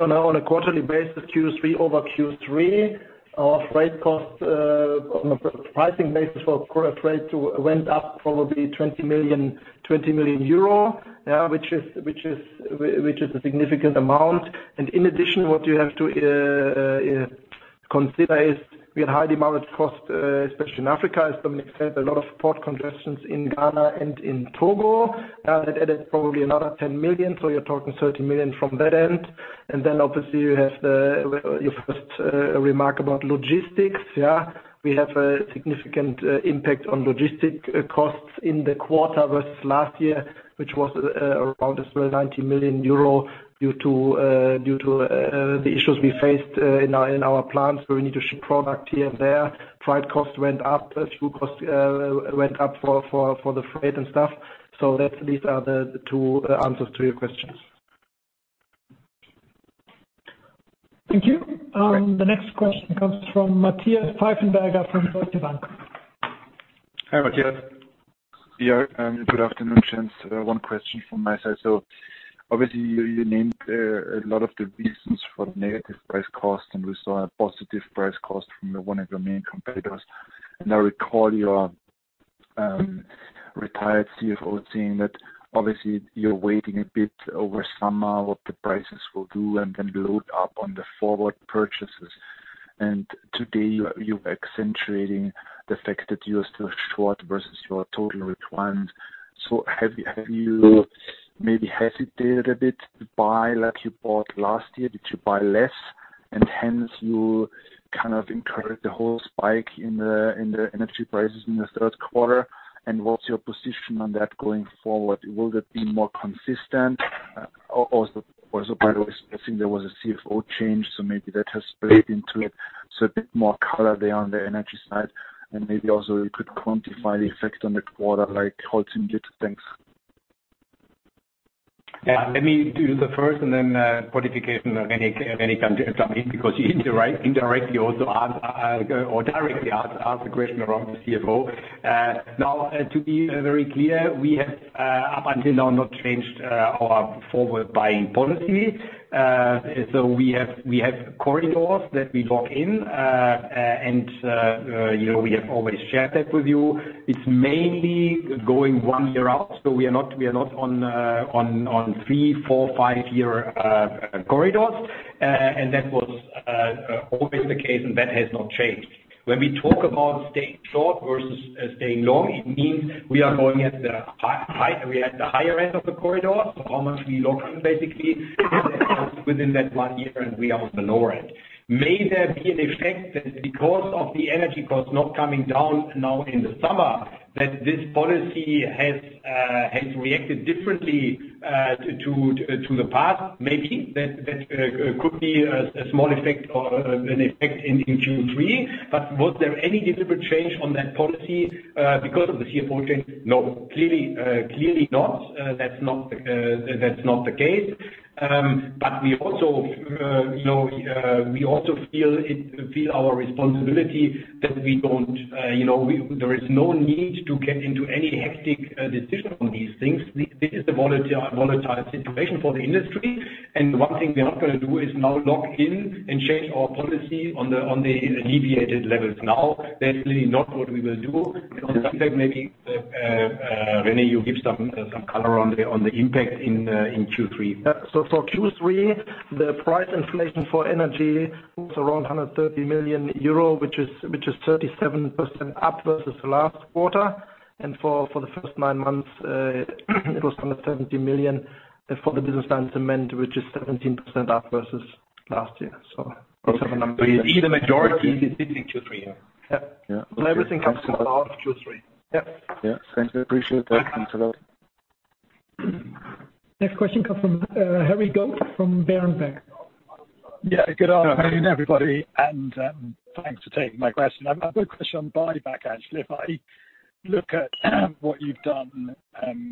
On a quarterly basis, Q3 over Q3, our freight costs on a pricing basis for freight too went up probably 20 million, yeah, which is a significant amount. In addition, what you have to consider is we had high demurrage costs especially in Africa. As Dominik said, a lot of port congestions in Ghana and in Togo. That added probably another 10 million. So you're talking 30 million from that end. Then obviously you have your first remark about logistics. Yeah. We have a significant impact on logistics costs in the quarter versus last year, which was around as well 90 million euro due to the issues we faced in our plants, where we need to ship product here and there. Freight costs went up. Fuel costs went up for the freight and stuff. These are the two answers to your questions. Thank you. The next question comes from Matthias Pfeifenberger from Deutsche Bank. Hi, Matthias. Yeah. Good afternoon, gents. One question from my side. Obviously you named a lot of the reasons for negative price cost, and we saw a positive price cost from one of your main competitors. I recall your retired CFO saying that obviously you're waiting a bit over summer what the prices will do and then load up on the forward purchases. Today you're accentuating the fact that you are still short versus your total requirements. Have you maybe hesitated a bit to buy like you bought last year? Did you buy less and hence you kind of incurred the whole spike in the energy prices in the third quarter? What's your position on that going forward? Will it be more consistent? By the way, I think there was a CFO change, so maybe that has played into it. A bit more color there on the energy side, and maybe also you could quantify the effect on the quarter, like how it's impacted things. Yeah. Let me do the first and then quantification. René can jump in because you indirectly also ask or directly ask the question around the CFO. Now, to be very clear, we have up until now not changed our forward buying policy. We have corridors that we lock in, and you know, we have always shared that with you. It's mainly going one year out, so we are not on three, four, five-year corridors. That was always the case, and that has not changed. When we talk about staying short versus staying long, it means we are at the higher end of the corridor, so how much we lock in, basically, and then within that one year and we are on the lower end. May there be an effect that because of the energy costs not coming down now in the summer, that this policy has reacted differently to the past? Maybe. That could be a small effect or an effect in Q3. Was there any deliberate change on that policy because of the CFO change? No, clearly not. That's not the case. We also, you know, we also feel our responsibility that we don't, you know, there is no need to get into any hectic decision on these things. This is a volatile situation for the industry, and the one thing we are not gonna do is now lock in and change our policy on the, on the deviated levels now. That's really not what we will do. On that maybe, René, you give some some color on the, on the impact in Q3. For Q3, the price inflation for energy was around 130 million euro, which is 37% up versus last quarter. For the first nine months, it was under 70 million. As for the business units and M&A, which is 17% up versus last year. Okay. Those are the numbers. It's either majority two, three, yeah. Yeah. Yeah. Everything comes out of two, three. Yep. Yeah. Thank you. Appreciate that. Thanks a lot. Welcome. Next question comes from Harry Goad from Berenberg. Yeah. Good afternoon, everybody, and thanks for taking my question. I've got a question on buyback actually. If I look at what you've done,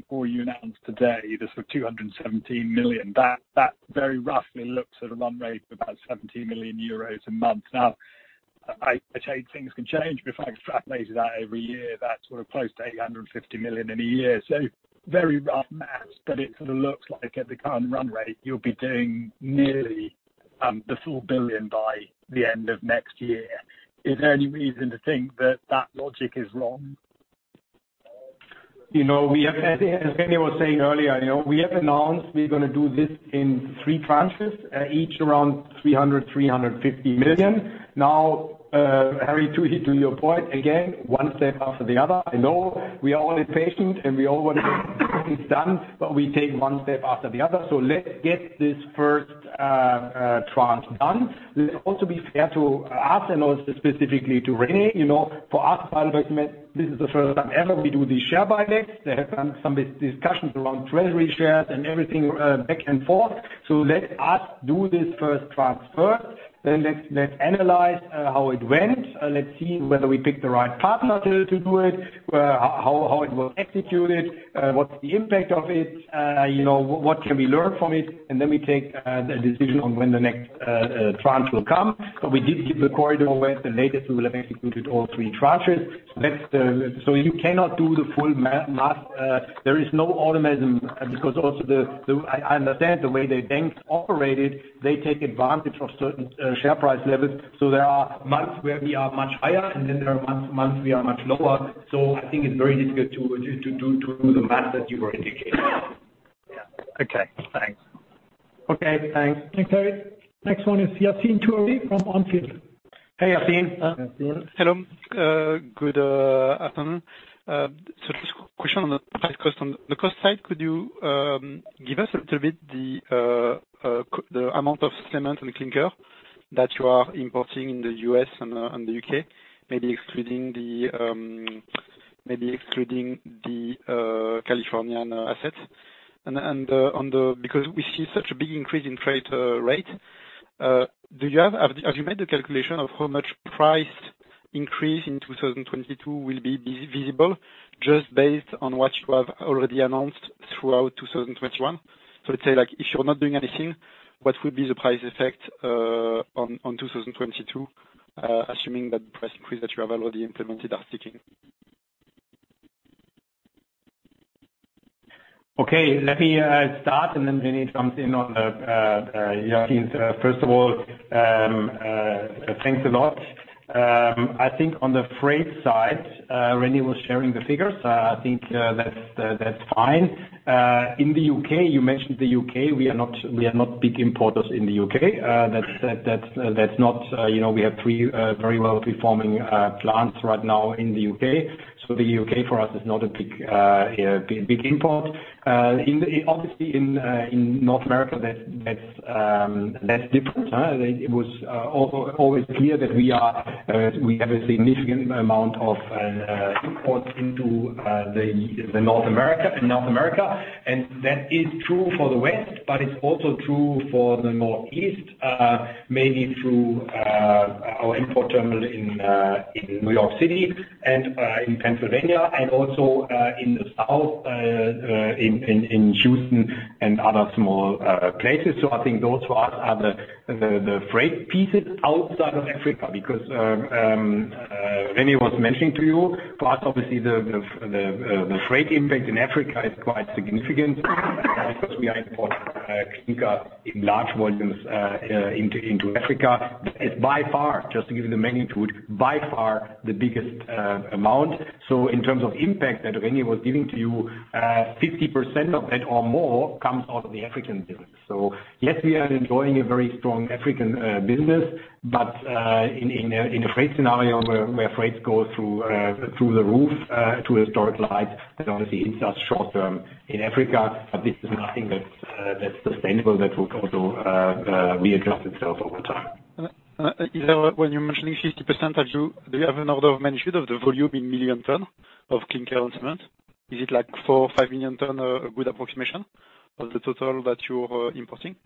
or you announced today, the sort of 217 million, that very roughly looks at a run rate of about 70 million euros a month. Now, I take things can change, but if I extrapolated that every year, that's sort of close to 850 million in a year. Very rough math, but it sort of looks like at the current run rate, you'll be doing nearly the 4 billion by the end of next year. Is there any reason to think that logic is wrong? You know, we have as René was saying earlier, you know, we have announced we're gonna do this in three tranches, each around 300 million-350 million. Now, Harry, to your point, again, one step after the other. I know we are all impatient and we all wanna get things done, but we take one step after the other. Let's get this first tranche done. Let's also be fair to us and also specifically to René. You know, for us, HeidelbergCement, this is the first time ever we do the share buybacks. There have been some discussions around treasury shares and everything, back and forth. Let us do this first tranche first, then let's analyze how it went. Let's see whether we picked the right partner to do it, how it was executed, what's the impact of it, you know, what can we learn from it, and then we take the decision on when the next tranche will come. We did give the corridor when the latest we will have executed all three tranches. You cannot do the full math. There is no automatism because I understand the way the banks operate it. They take advantage of certain share price levels. There are months where we are much higher, and then there are months we are much lower. I think it's very difficult to do the math that you were indicating. Yeah. Okay. Thanks. Okay. Thanks. Thanks, Harry. Next one is Yassine Touahri from On Field. Hey, Yassine. Hi, Yassine. Hello. Good afternoon. Just a question on the price over cost. On the cost side, could you give us a little bit the amount of cement and clinker that you are importing in the U.S. and the U.K., maybe excluding the Californian assets? Because we see such a big increase in freight rate, do you have. Have you made the calculation of how much price increase in 2022 will be visible just based on what you have already announced throughout 2021? Let's say, like, if you're not doing anything, what will be the price effect on 2022, assuming that price increase that you have already implemented are sticking? Okay, let me start and then René comes in on the Yassine's. First of all, thanks a lot. I think on the freight side, René was sharing the figures. I think that's fine. In the U.K., you mentioned the U.K., we are not big importers in the U.K. You know, we have three very well-performing plants right now in the U.K. The U.K. for us is not a big import. Obviously in North America that's different. It was also always clear that we have a significant amount of imports into North America, and that is true for the West, but it's also true for the Northeast, maybe through our import terminal in New York City and in Pennsylvania and also in the South, in Houston and other small places. I think those for us are the freight pieces outside of Africa, because René was mentioning to you, plus obviously the freight impact in Africa is quite significant. Of course, we are importing clinker in large volumes into Africa. It's by far, just to give you the magnitude, by far the biggest amount. In terms of impact that René was giving to you, 50% of it or more comes out of the African business. Yes, we are enjoying a very strong African business, but in a freight scenario where freights go through the roof, through the historic highs, and obviously it's a short term in Africa, but this is nothing that's sustainable. That will also readjust itself over time. When you're mentioning 50%, do you have an order of magnitude of the volume in million tons of clinker and cement? Is it like 4 or 5 million tons, a good approximation of the total that you're importing?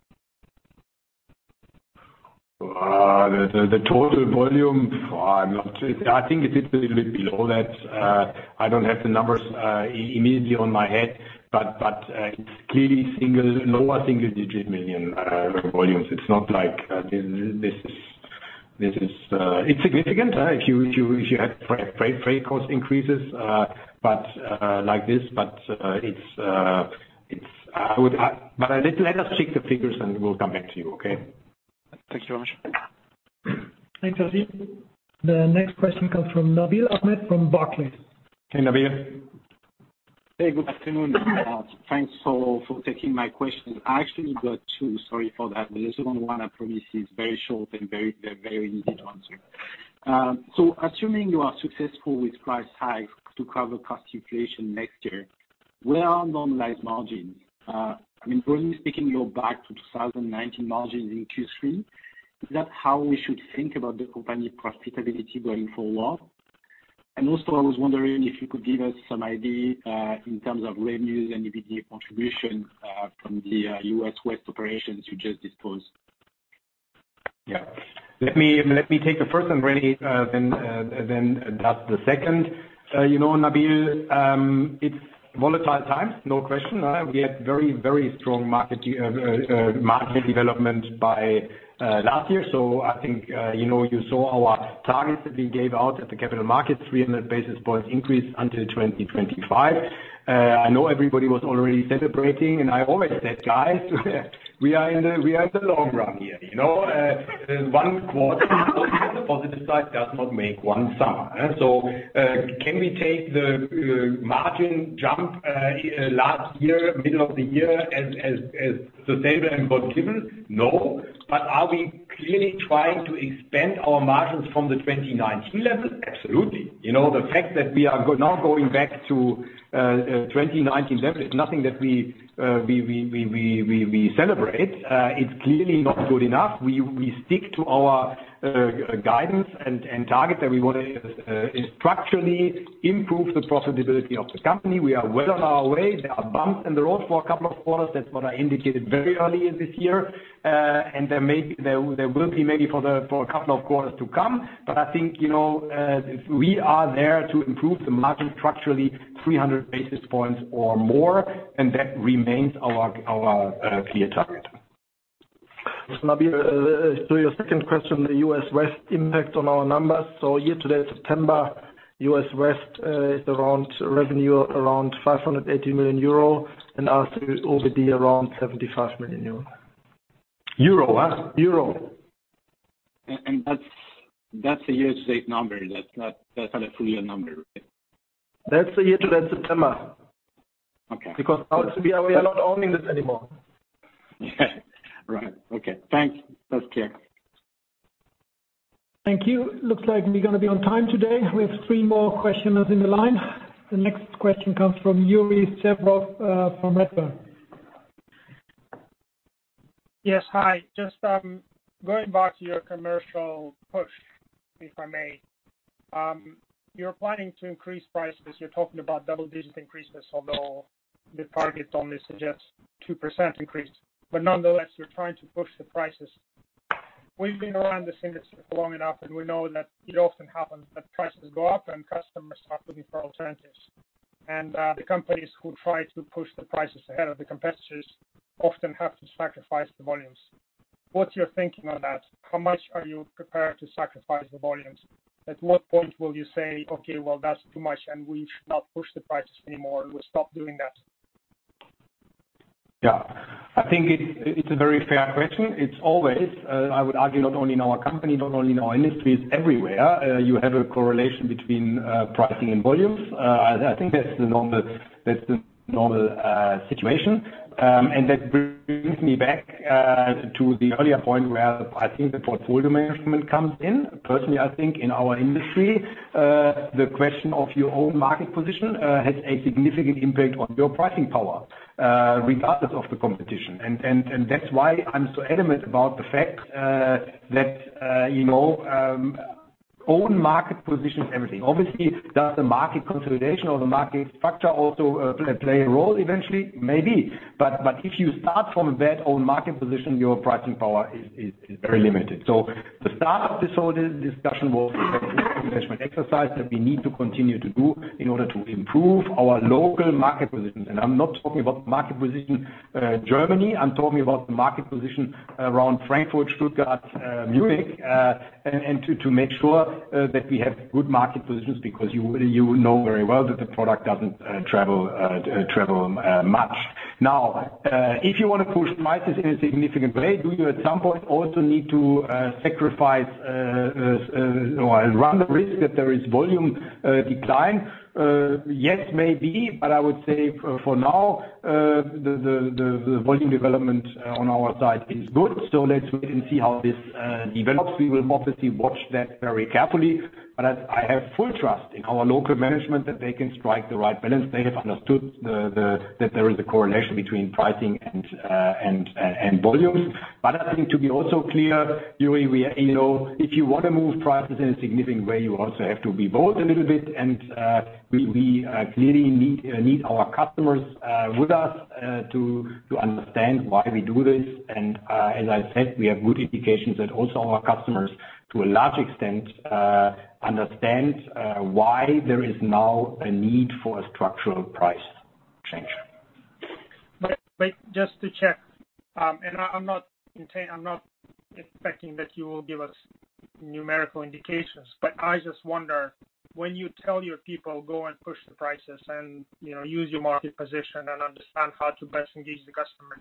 The total volume, I think it is a little bit below that. I don't have the numbers immediately in my head, but it's clearly lower single-digit million volumes. It's not like this is. It's significant if you had freight cost increases, but like this, but it's. But let us check the figures, and we'll come back to you, okay? Thank you very much. Thanks, Yassine. The next question comes from Nabil Ahmed from Barclays. Hey, Nabil. Hey, good afternoon. Thanks for taking my questions. I actually got two, sorry for that. The second one I promise is very short and very easy to answer. So assuming you are successful with price hike to cover cost inflation next year, where are normalized margins? I mean, broadly speaking, you're back to 2019 margins in Q3. Is that how we should think about the company profitability going forward? Also, I was wondering if you could give us some idea in terms of revenues and EBITDA contribution from the U.S. West operations you just disposed. Let me take the first one, René, then that's the second. You know, Nabil, it's volatile times, no question. We had very, very strong market development by last year. I think, you know, you saw our targets that we gave out at the capital markets, 300 basis points increase until 2025. I know everybody was already celebrating, and I always said, "Guys, we are in the long run here." You know, one quarter positive side does not make one summer. Can we take the margin jump last year, middle of the year as sustainable and God-given? No. But are we clearly trying to expand our margins from the 2019 level? Absolutely. You know, the fact that we are now going back to 2019 level is nothing that we celebrate. It's clearly not good enough. We stick to our guidance and target that we wanna structurally improve the profitability of the company. We are well on our way. There are bumps in the road for a couple of quarters. That's what I indicated very early this year. There will be maybe for a couple of quarters to come. I think, you know, we are there to improve the margin structurally 300 basis points or more, and that remains our clear target. Nabil, to your second question, the U.S. West impact on our numbers. Year-to-date September, U.S. West, is around revenue, around 580 million euro, and also EBITDA around 75 million. Euro, huh? Euro. That's a year-to-date number. That's not a full year number. That's a year to date September. Okay. Because we are not owning this anymore. Right. Okay. Thanks. That's clear. Thank you. Looks like we're gonna be on time today. We have three more questioners in the line. The next question comes from Yuri Serov from Redburn. Yes. Hi. Just going back to your commercial push, if I may. You're planning to increase prices. You're talking about double-digit increases, although the target only suggests 2% increase. Nonetheless, you're trying to push the prices. We've been around this industry for long enough, and we know that it often happens that prices go up and customers start looking for alternatives. The companies who try to push the prices ahead of the competitors often have to sacrifice the volumes. What's your thinking on that? How much are you prepared to sacrifice the volumes? At what point will you say, "Okay, well, that's too much, and we should not push the prices anymore. We'll stop doing that. Yeah. I think it's a very fair question. It's always, I would argue, not only in our company, not only in our industry, it's everywhere. You have a correlation between pricing and volumes. I think that's the normal situation. That brings me back to the earlier point where I think the portfolio management comes in. Personally, I think in our industry, the question of your own market position has a significant impact on your pricing power, regardless of the competition. That's why I'm so adamant about the fact that you know own market position is everything. Obviously, does the market consolidation or the market structure also play a role eventually? Maybe. If you start from a bad own market position, your pricing power is very limited. The start of this whole discussion was an exercise that we need to continue to do in order to improve our local market positions. I'm not talking about market position Germany. I'm talking about the market position around Frankfurt, Stuttgart, Munich, and to make sure that we have good market positions because you know very well that the product doesn't travel much. Now, if you wanna push prices in a significant way, do you at some point also need to sacrifice or run the risk that there is volume decline? Yes, maybe, but I would say for now, the volume development on our side is good, so let's wait and see how this develops. We will obviously watch that very carefully. I have full trust in our local management that they can strike the right balance. They have understood that there is a correlation between pricing and volumes. I think to be also clear, Yuri, you know, if you wanna move prices in a significant way, you also have to be bold a little bit. We clearly need our customers with us to understand why we do this. As I said, we have good indications that also our customers, to a large extent, understand why there is now a need for a structural price change. Wait, just to check. I'm not expecting that you will give us numerical indications, but I just wonder, when you tell your people, "Go and push the prices and, you know, use your market position and understand how to best engage the customer."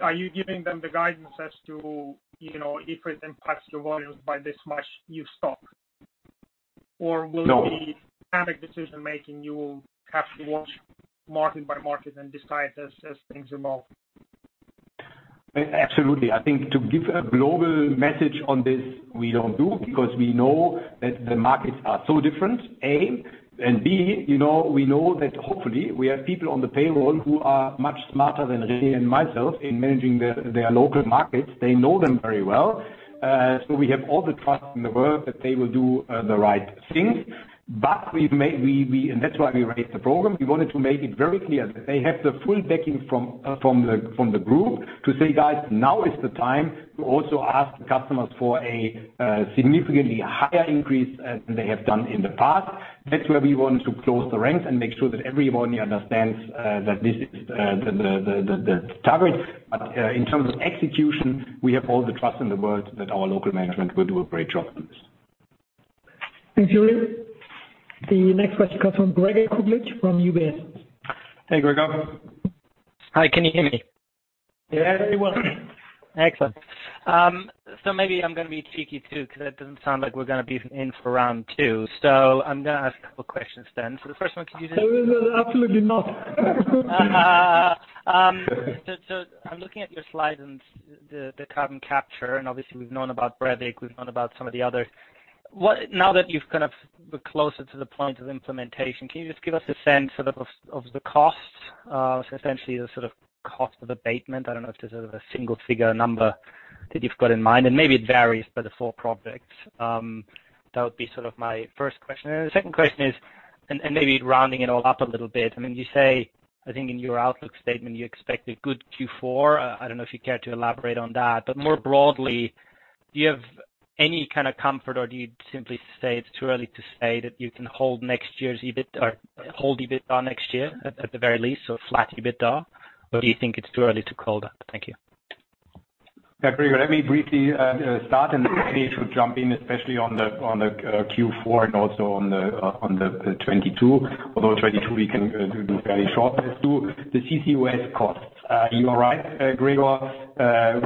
Are you giving them the guidance as to, you know, if it impacts your volumes by this much, you stop? Or will it No. Avoid panic decision-making, you will have to watch market by market and decide as things evolve. Absolutely. I think to give a global message on this, we don't do because we know that the markets are so different, A and B. You know, we know that hopefully we have people on the payroll who are much smarter than René and myself in managing their local markets. They know them very well. We have all the trust in the world that they will do the right things. That's why we raised the program. We wanted to make it very clear that they have the full backing from the group to say, "Guys, now is the time to also ask customers for a significantly higher increase than they have done in the past." That's where we want to close the ranks and make sure that everybody understands that this is the target. In terms of execution, we have all the trust in the world that our local management will do a great job on this. Thanks, Yuri. The next question comes from Gregor Kuglitsch from UBS. Hey, Gregor. Hi, can you hear me? Yeah, very well. Excellent. Maybe I'm gonna be cheeky too, 'cause it doesn't sound like we're gonna be in for round two. I'm gonna ask a couple questions then. The first one, can you just- Absolutely not. I'm looking at your slides and the carbon capture, and obviously we've known about Brevik, we've known about some of the others. Now that we're closer to the point of implementation, can you just give us a sense of the costs, so essentially the sort of cost of abatement? I don't know if there's a single figure number that you've got in mind, and maybe it varies by the four projects. That would be sort of my first question. The second question is, maybe rounding it all up a little bit, I mean, you say, I think in your outlook statement, you expect a good Q4. I don't know if you care to elaborate on that. More broadly, do you have any kind of comfort or do you simply say it's too early to say that you can hold next year's EBIT or hold EBITDA next year at the very least, so flat EBITDA? Or do you think it's too early to call that? Thank you. Yeah, Gregor, let me briefly start, and René should jump in, especially on the Q4 and also on the 2022. Although 2022 we can do very short as to the CCUS costs. You are right, Gregor.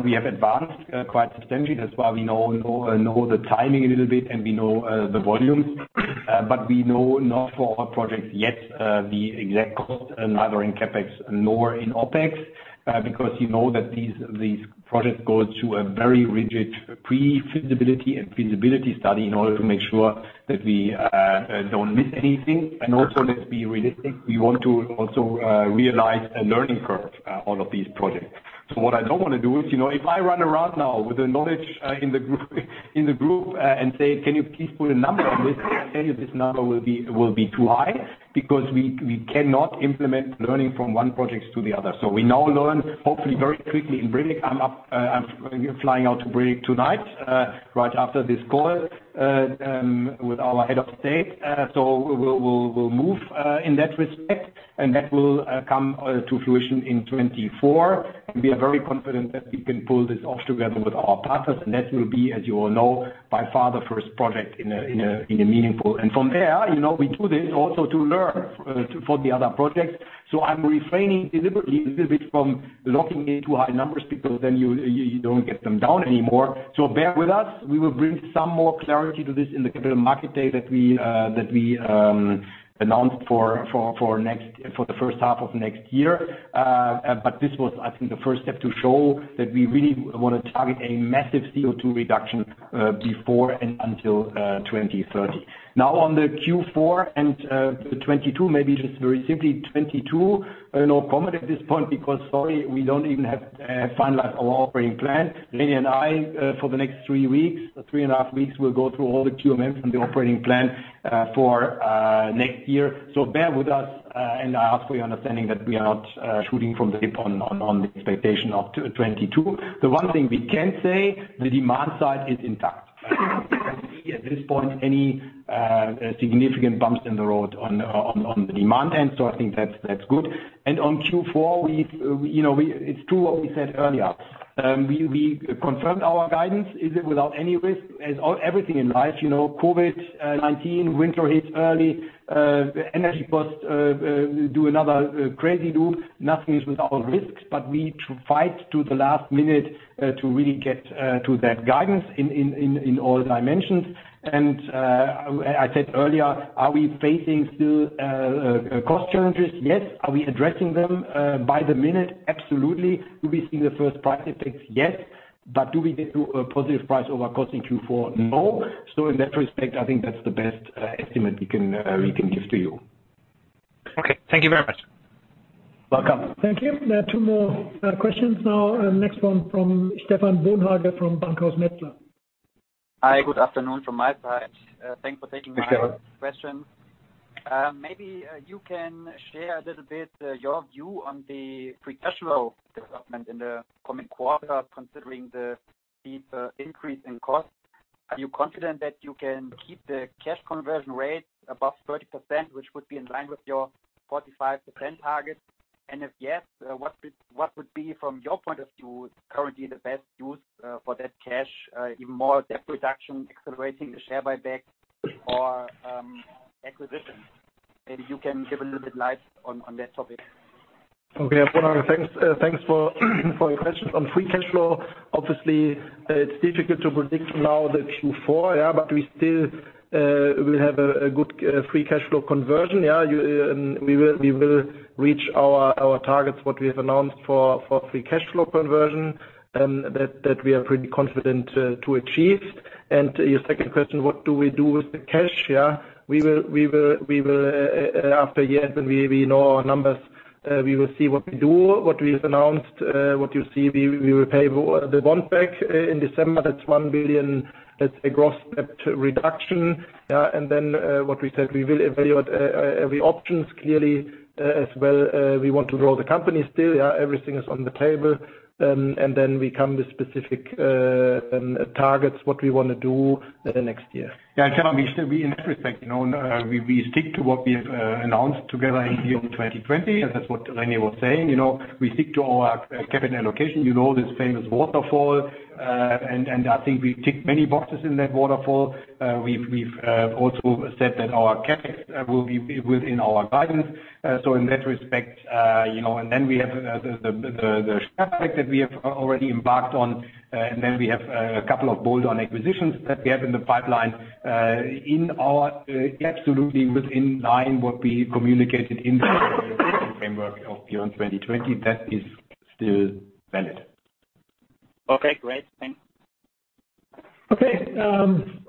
We have advanced quite substantially. That's why we know the timing a little bit, and we know the volumes. But we know not for our projects yet the exact cost, neither in CapEx nor in OpEx, because you know that these projects go through a very rigid pre-feasibility and feasibility study in order to make sure that we don't miss anything. Also, let's be realistic, we want to also realize a learning curve all of these projects. What I don't wanna do is, you know, if I run around now with the knowledge in the group and say, "Can you please put a number on this?" I tell you this number will be too high because we cannot implement learning from one projects to the other. We now learn hopefully very quickly in Brevik. I'm flying out to Brevik tonight right after this call with our head of site. We'll move in that respect, and that will come to fruition in 2024. We are very confident that we can pull this off together with our partners, and that will be, as you all know, by far the first project in a meaningful. From there, you know, we do this also to learn for the other projects. I'm refraining deliberately a little bit from locking into high numbers because then you don't get them down anymore. Bear with us. We will bring some more clarity to this in the Capital Markets Day that we announced for the first half of next year. This was, I think, the first step to show that we really wanna target a massive CO2 reduction before and until 2030. Now on the Q4 and the 2022, maybe just very simply, 2022, no comment at this point because sorry, we don't even have finalized our operating plan. René and I for the next three weeks or three and a half weeks will go through all the QMFs and the operating plan for next year. Bear with us, and I ask for your understanding that we are not shooting from the hip on the expectation of 2022. The one thing we can say, the demand side is intact. I don't see at this point any significant bumps in the road on the demand. I think that's good. On Q4, you know, it's true what we said earlier. We confirmed our guidance. Is it without any risk? As everything in life, you know, COVID-19, winter hits early, energy costs do another crazy loop. Nothing is without risks, but we fight to the last minute to really get to that guidance in all dimensions. I said earlier, are we facing still cost challenges? Yes. Are we addressing them by the minute? Absolutely. Do we see the first price effects? Yes. But do we get to a positive price over cost Q4? No. In that respect, I think that's the best estimate we can give to you. Okay. Thank you very much. Welcome. Thank you. There are two more questions now. Next one from Stephan Bonhage from Bankhaus Metzler. Hi, good afternoon from my side. Thanks for taking- Hi, Stephan. - my questions. Maybe you can share a little bit your view on the free cash flow development in the coming quarter, considering the steep increase in costs. Are you confident that you can keep the cash conversion rate above 30%, which would be in line with your 45% target? If yes, what would be, from your point of view, currently the best use for that cash, even more debt reduction, accelerating the share buyback or acquisitions? Maybe you can shed a little light on that topic. Okay. Thanks for your question. On free cash flow, obviously, it's difficult to predict now the Q4, but we still will have a good free cash flow conversion. We will reach our targets what we have announced for free cash flow conversion, and that we are pretty confident to achieve. Your second question, what do we do with the cash? We will after years, and we know our numbers, we will see what we do. What we have announced, what you see, we will pay the bond back in December. That's 1 billion. That's a gross debt reduction. Then, what we said, we will evaluate every options clearly, as well. We want to grow the company still, yeah. Everything is on the table. We come to specific targets, what we wanna do next year. Yeah, Stephan, in that respect, you know, we stick to what we have announced together in Beyond 2020. That's what René was saying. You know, we stick to our capital allocation. You know this famous waterfall. I think we tick many boxes in that waterfall. We've also said that our CapEx will be within our guidance. In that respect, you know, and then we have the share buyback that we have already embarked on, and then we have a couple of bolt-on acquisitions that we have in the pipeline. It's absolutely in line with what we communicated in the strategic framework of beyond 2020, that is still valid. Okay. Great. Thanks. Okay.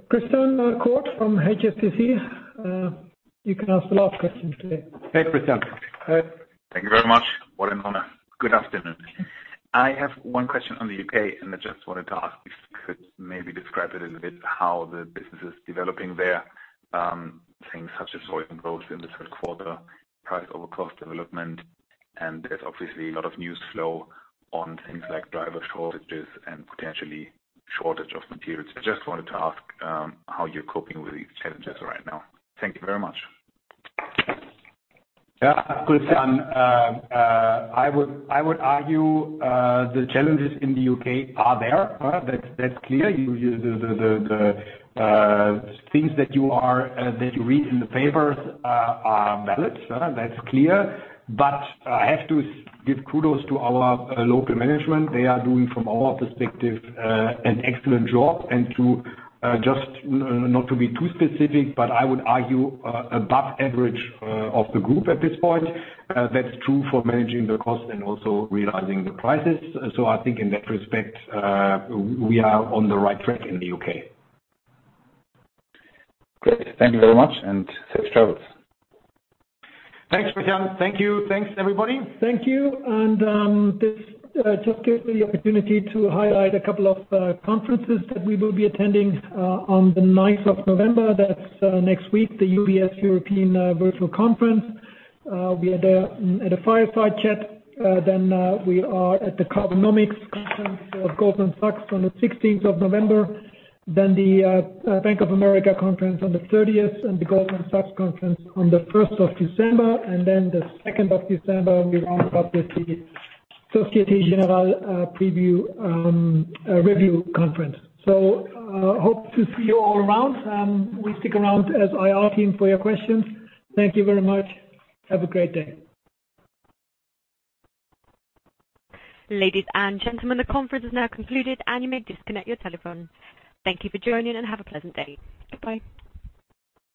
Christian Koot from HSBC, you can ask the last question today. Hey, Christian. Thank you very much. What an honor. Good afternoon. I have one question on the U.K., and I just wanted to ask if you could maybe describe a little bit how the business is developing there, things such as volume growth in the third quarter, price over cost development, and there's obviously a lot of news flow on things like driver shortages and potential shortage of materials. I just wanted to ask, how you're coping with these challenges right now. Thank you very much. Yeah. Christian, I would argue the challenges in the U.K. are there. That's clear. The things that you read in the papers are valid. That's clear. I have to give kudos to our local management. They are doing, from our perspective, an excellent job. Just not to be too specific, but I would argue above average of the group at this point. That's true for managing the cost and also realizing the prices. I think in that respect we are on the right track in the U.K. Great. Thank you very much, and safe travels. Thanks, Christian. Thank you. Thanks, everybody. Thank you. This just gives me the opportunity to highlight a couple of conferences that we will be attending on the November 9th. That's next week, the UBS European Virtual Conference. We are there at a fireside chat. Then we are at the Carbonomics Conference of Goldman Sachs on the November 16th, then the Bank of America conference on the thirtieth and the Goldman Sachs conference on the December 1st. The second of December, we round up with the Société Générale preview review conference. Hope to see you all around. We stick around as IR team for your questions. Thank you very much. Have a great day. Ladies and gentlemen, the conference is now concluded, and you may disconnect your telephone. Thank you for joining, and have a pleasant day. Bye.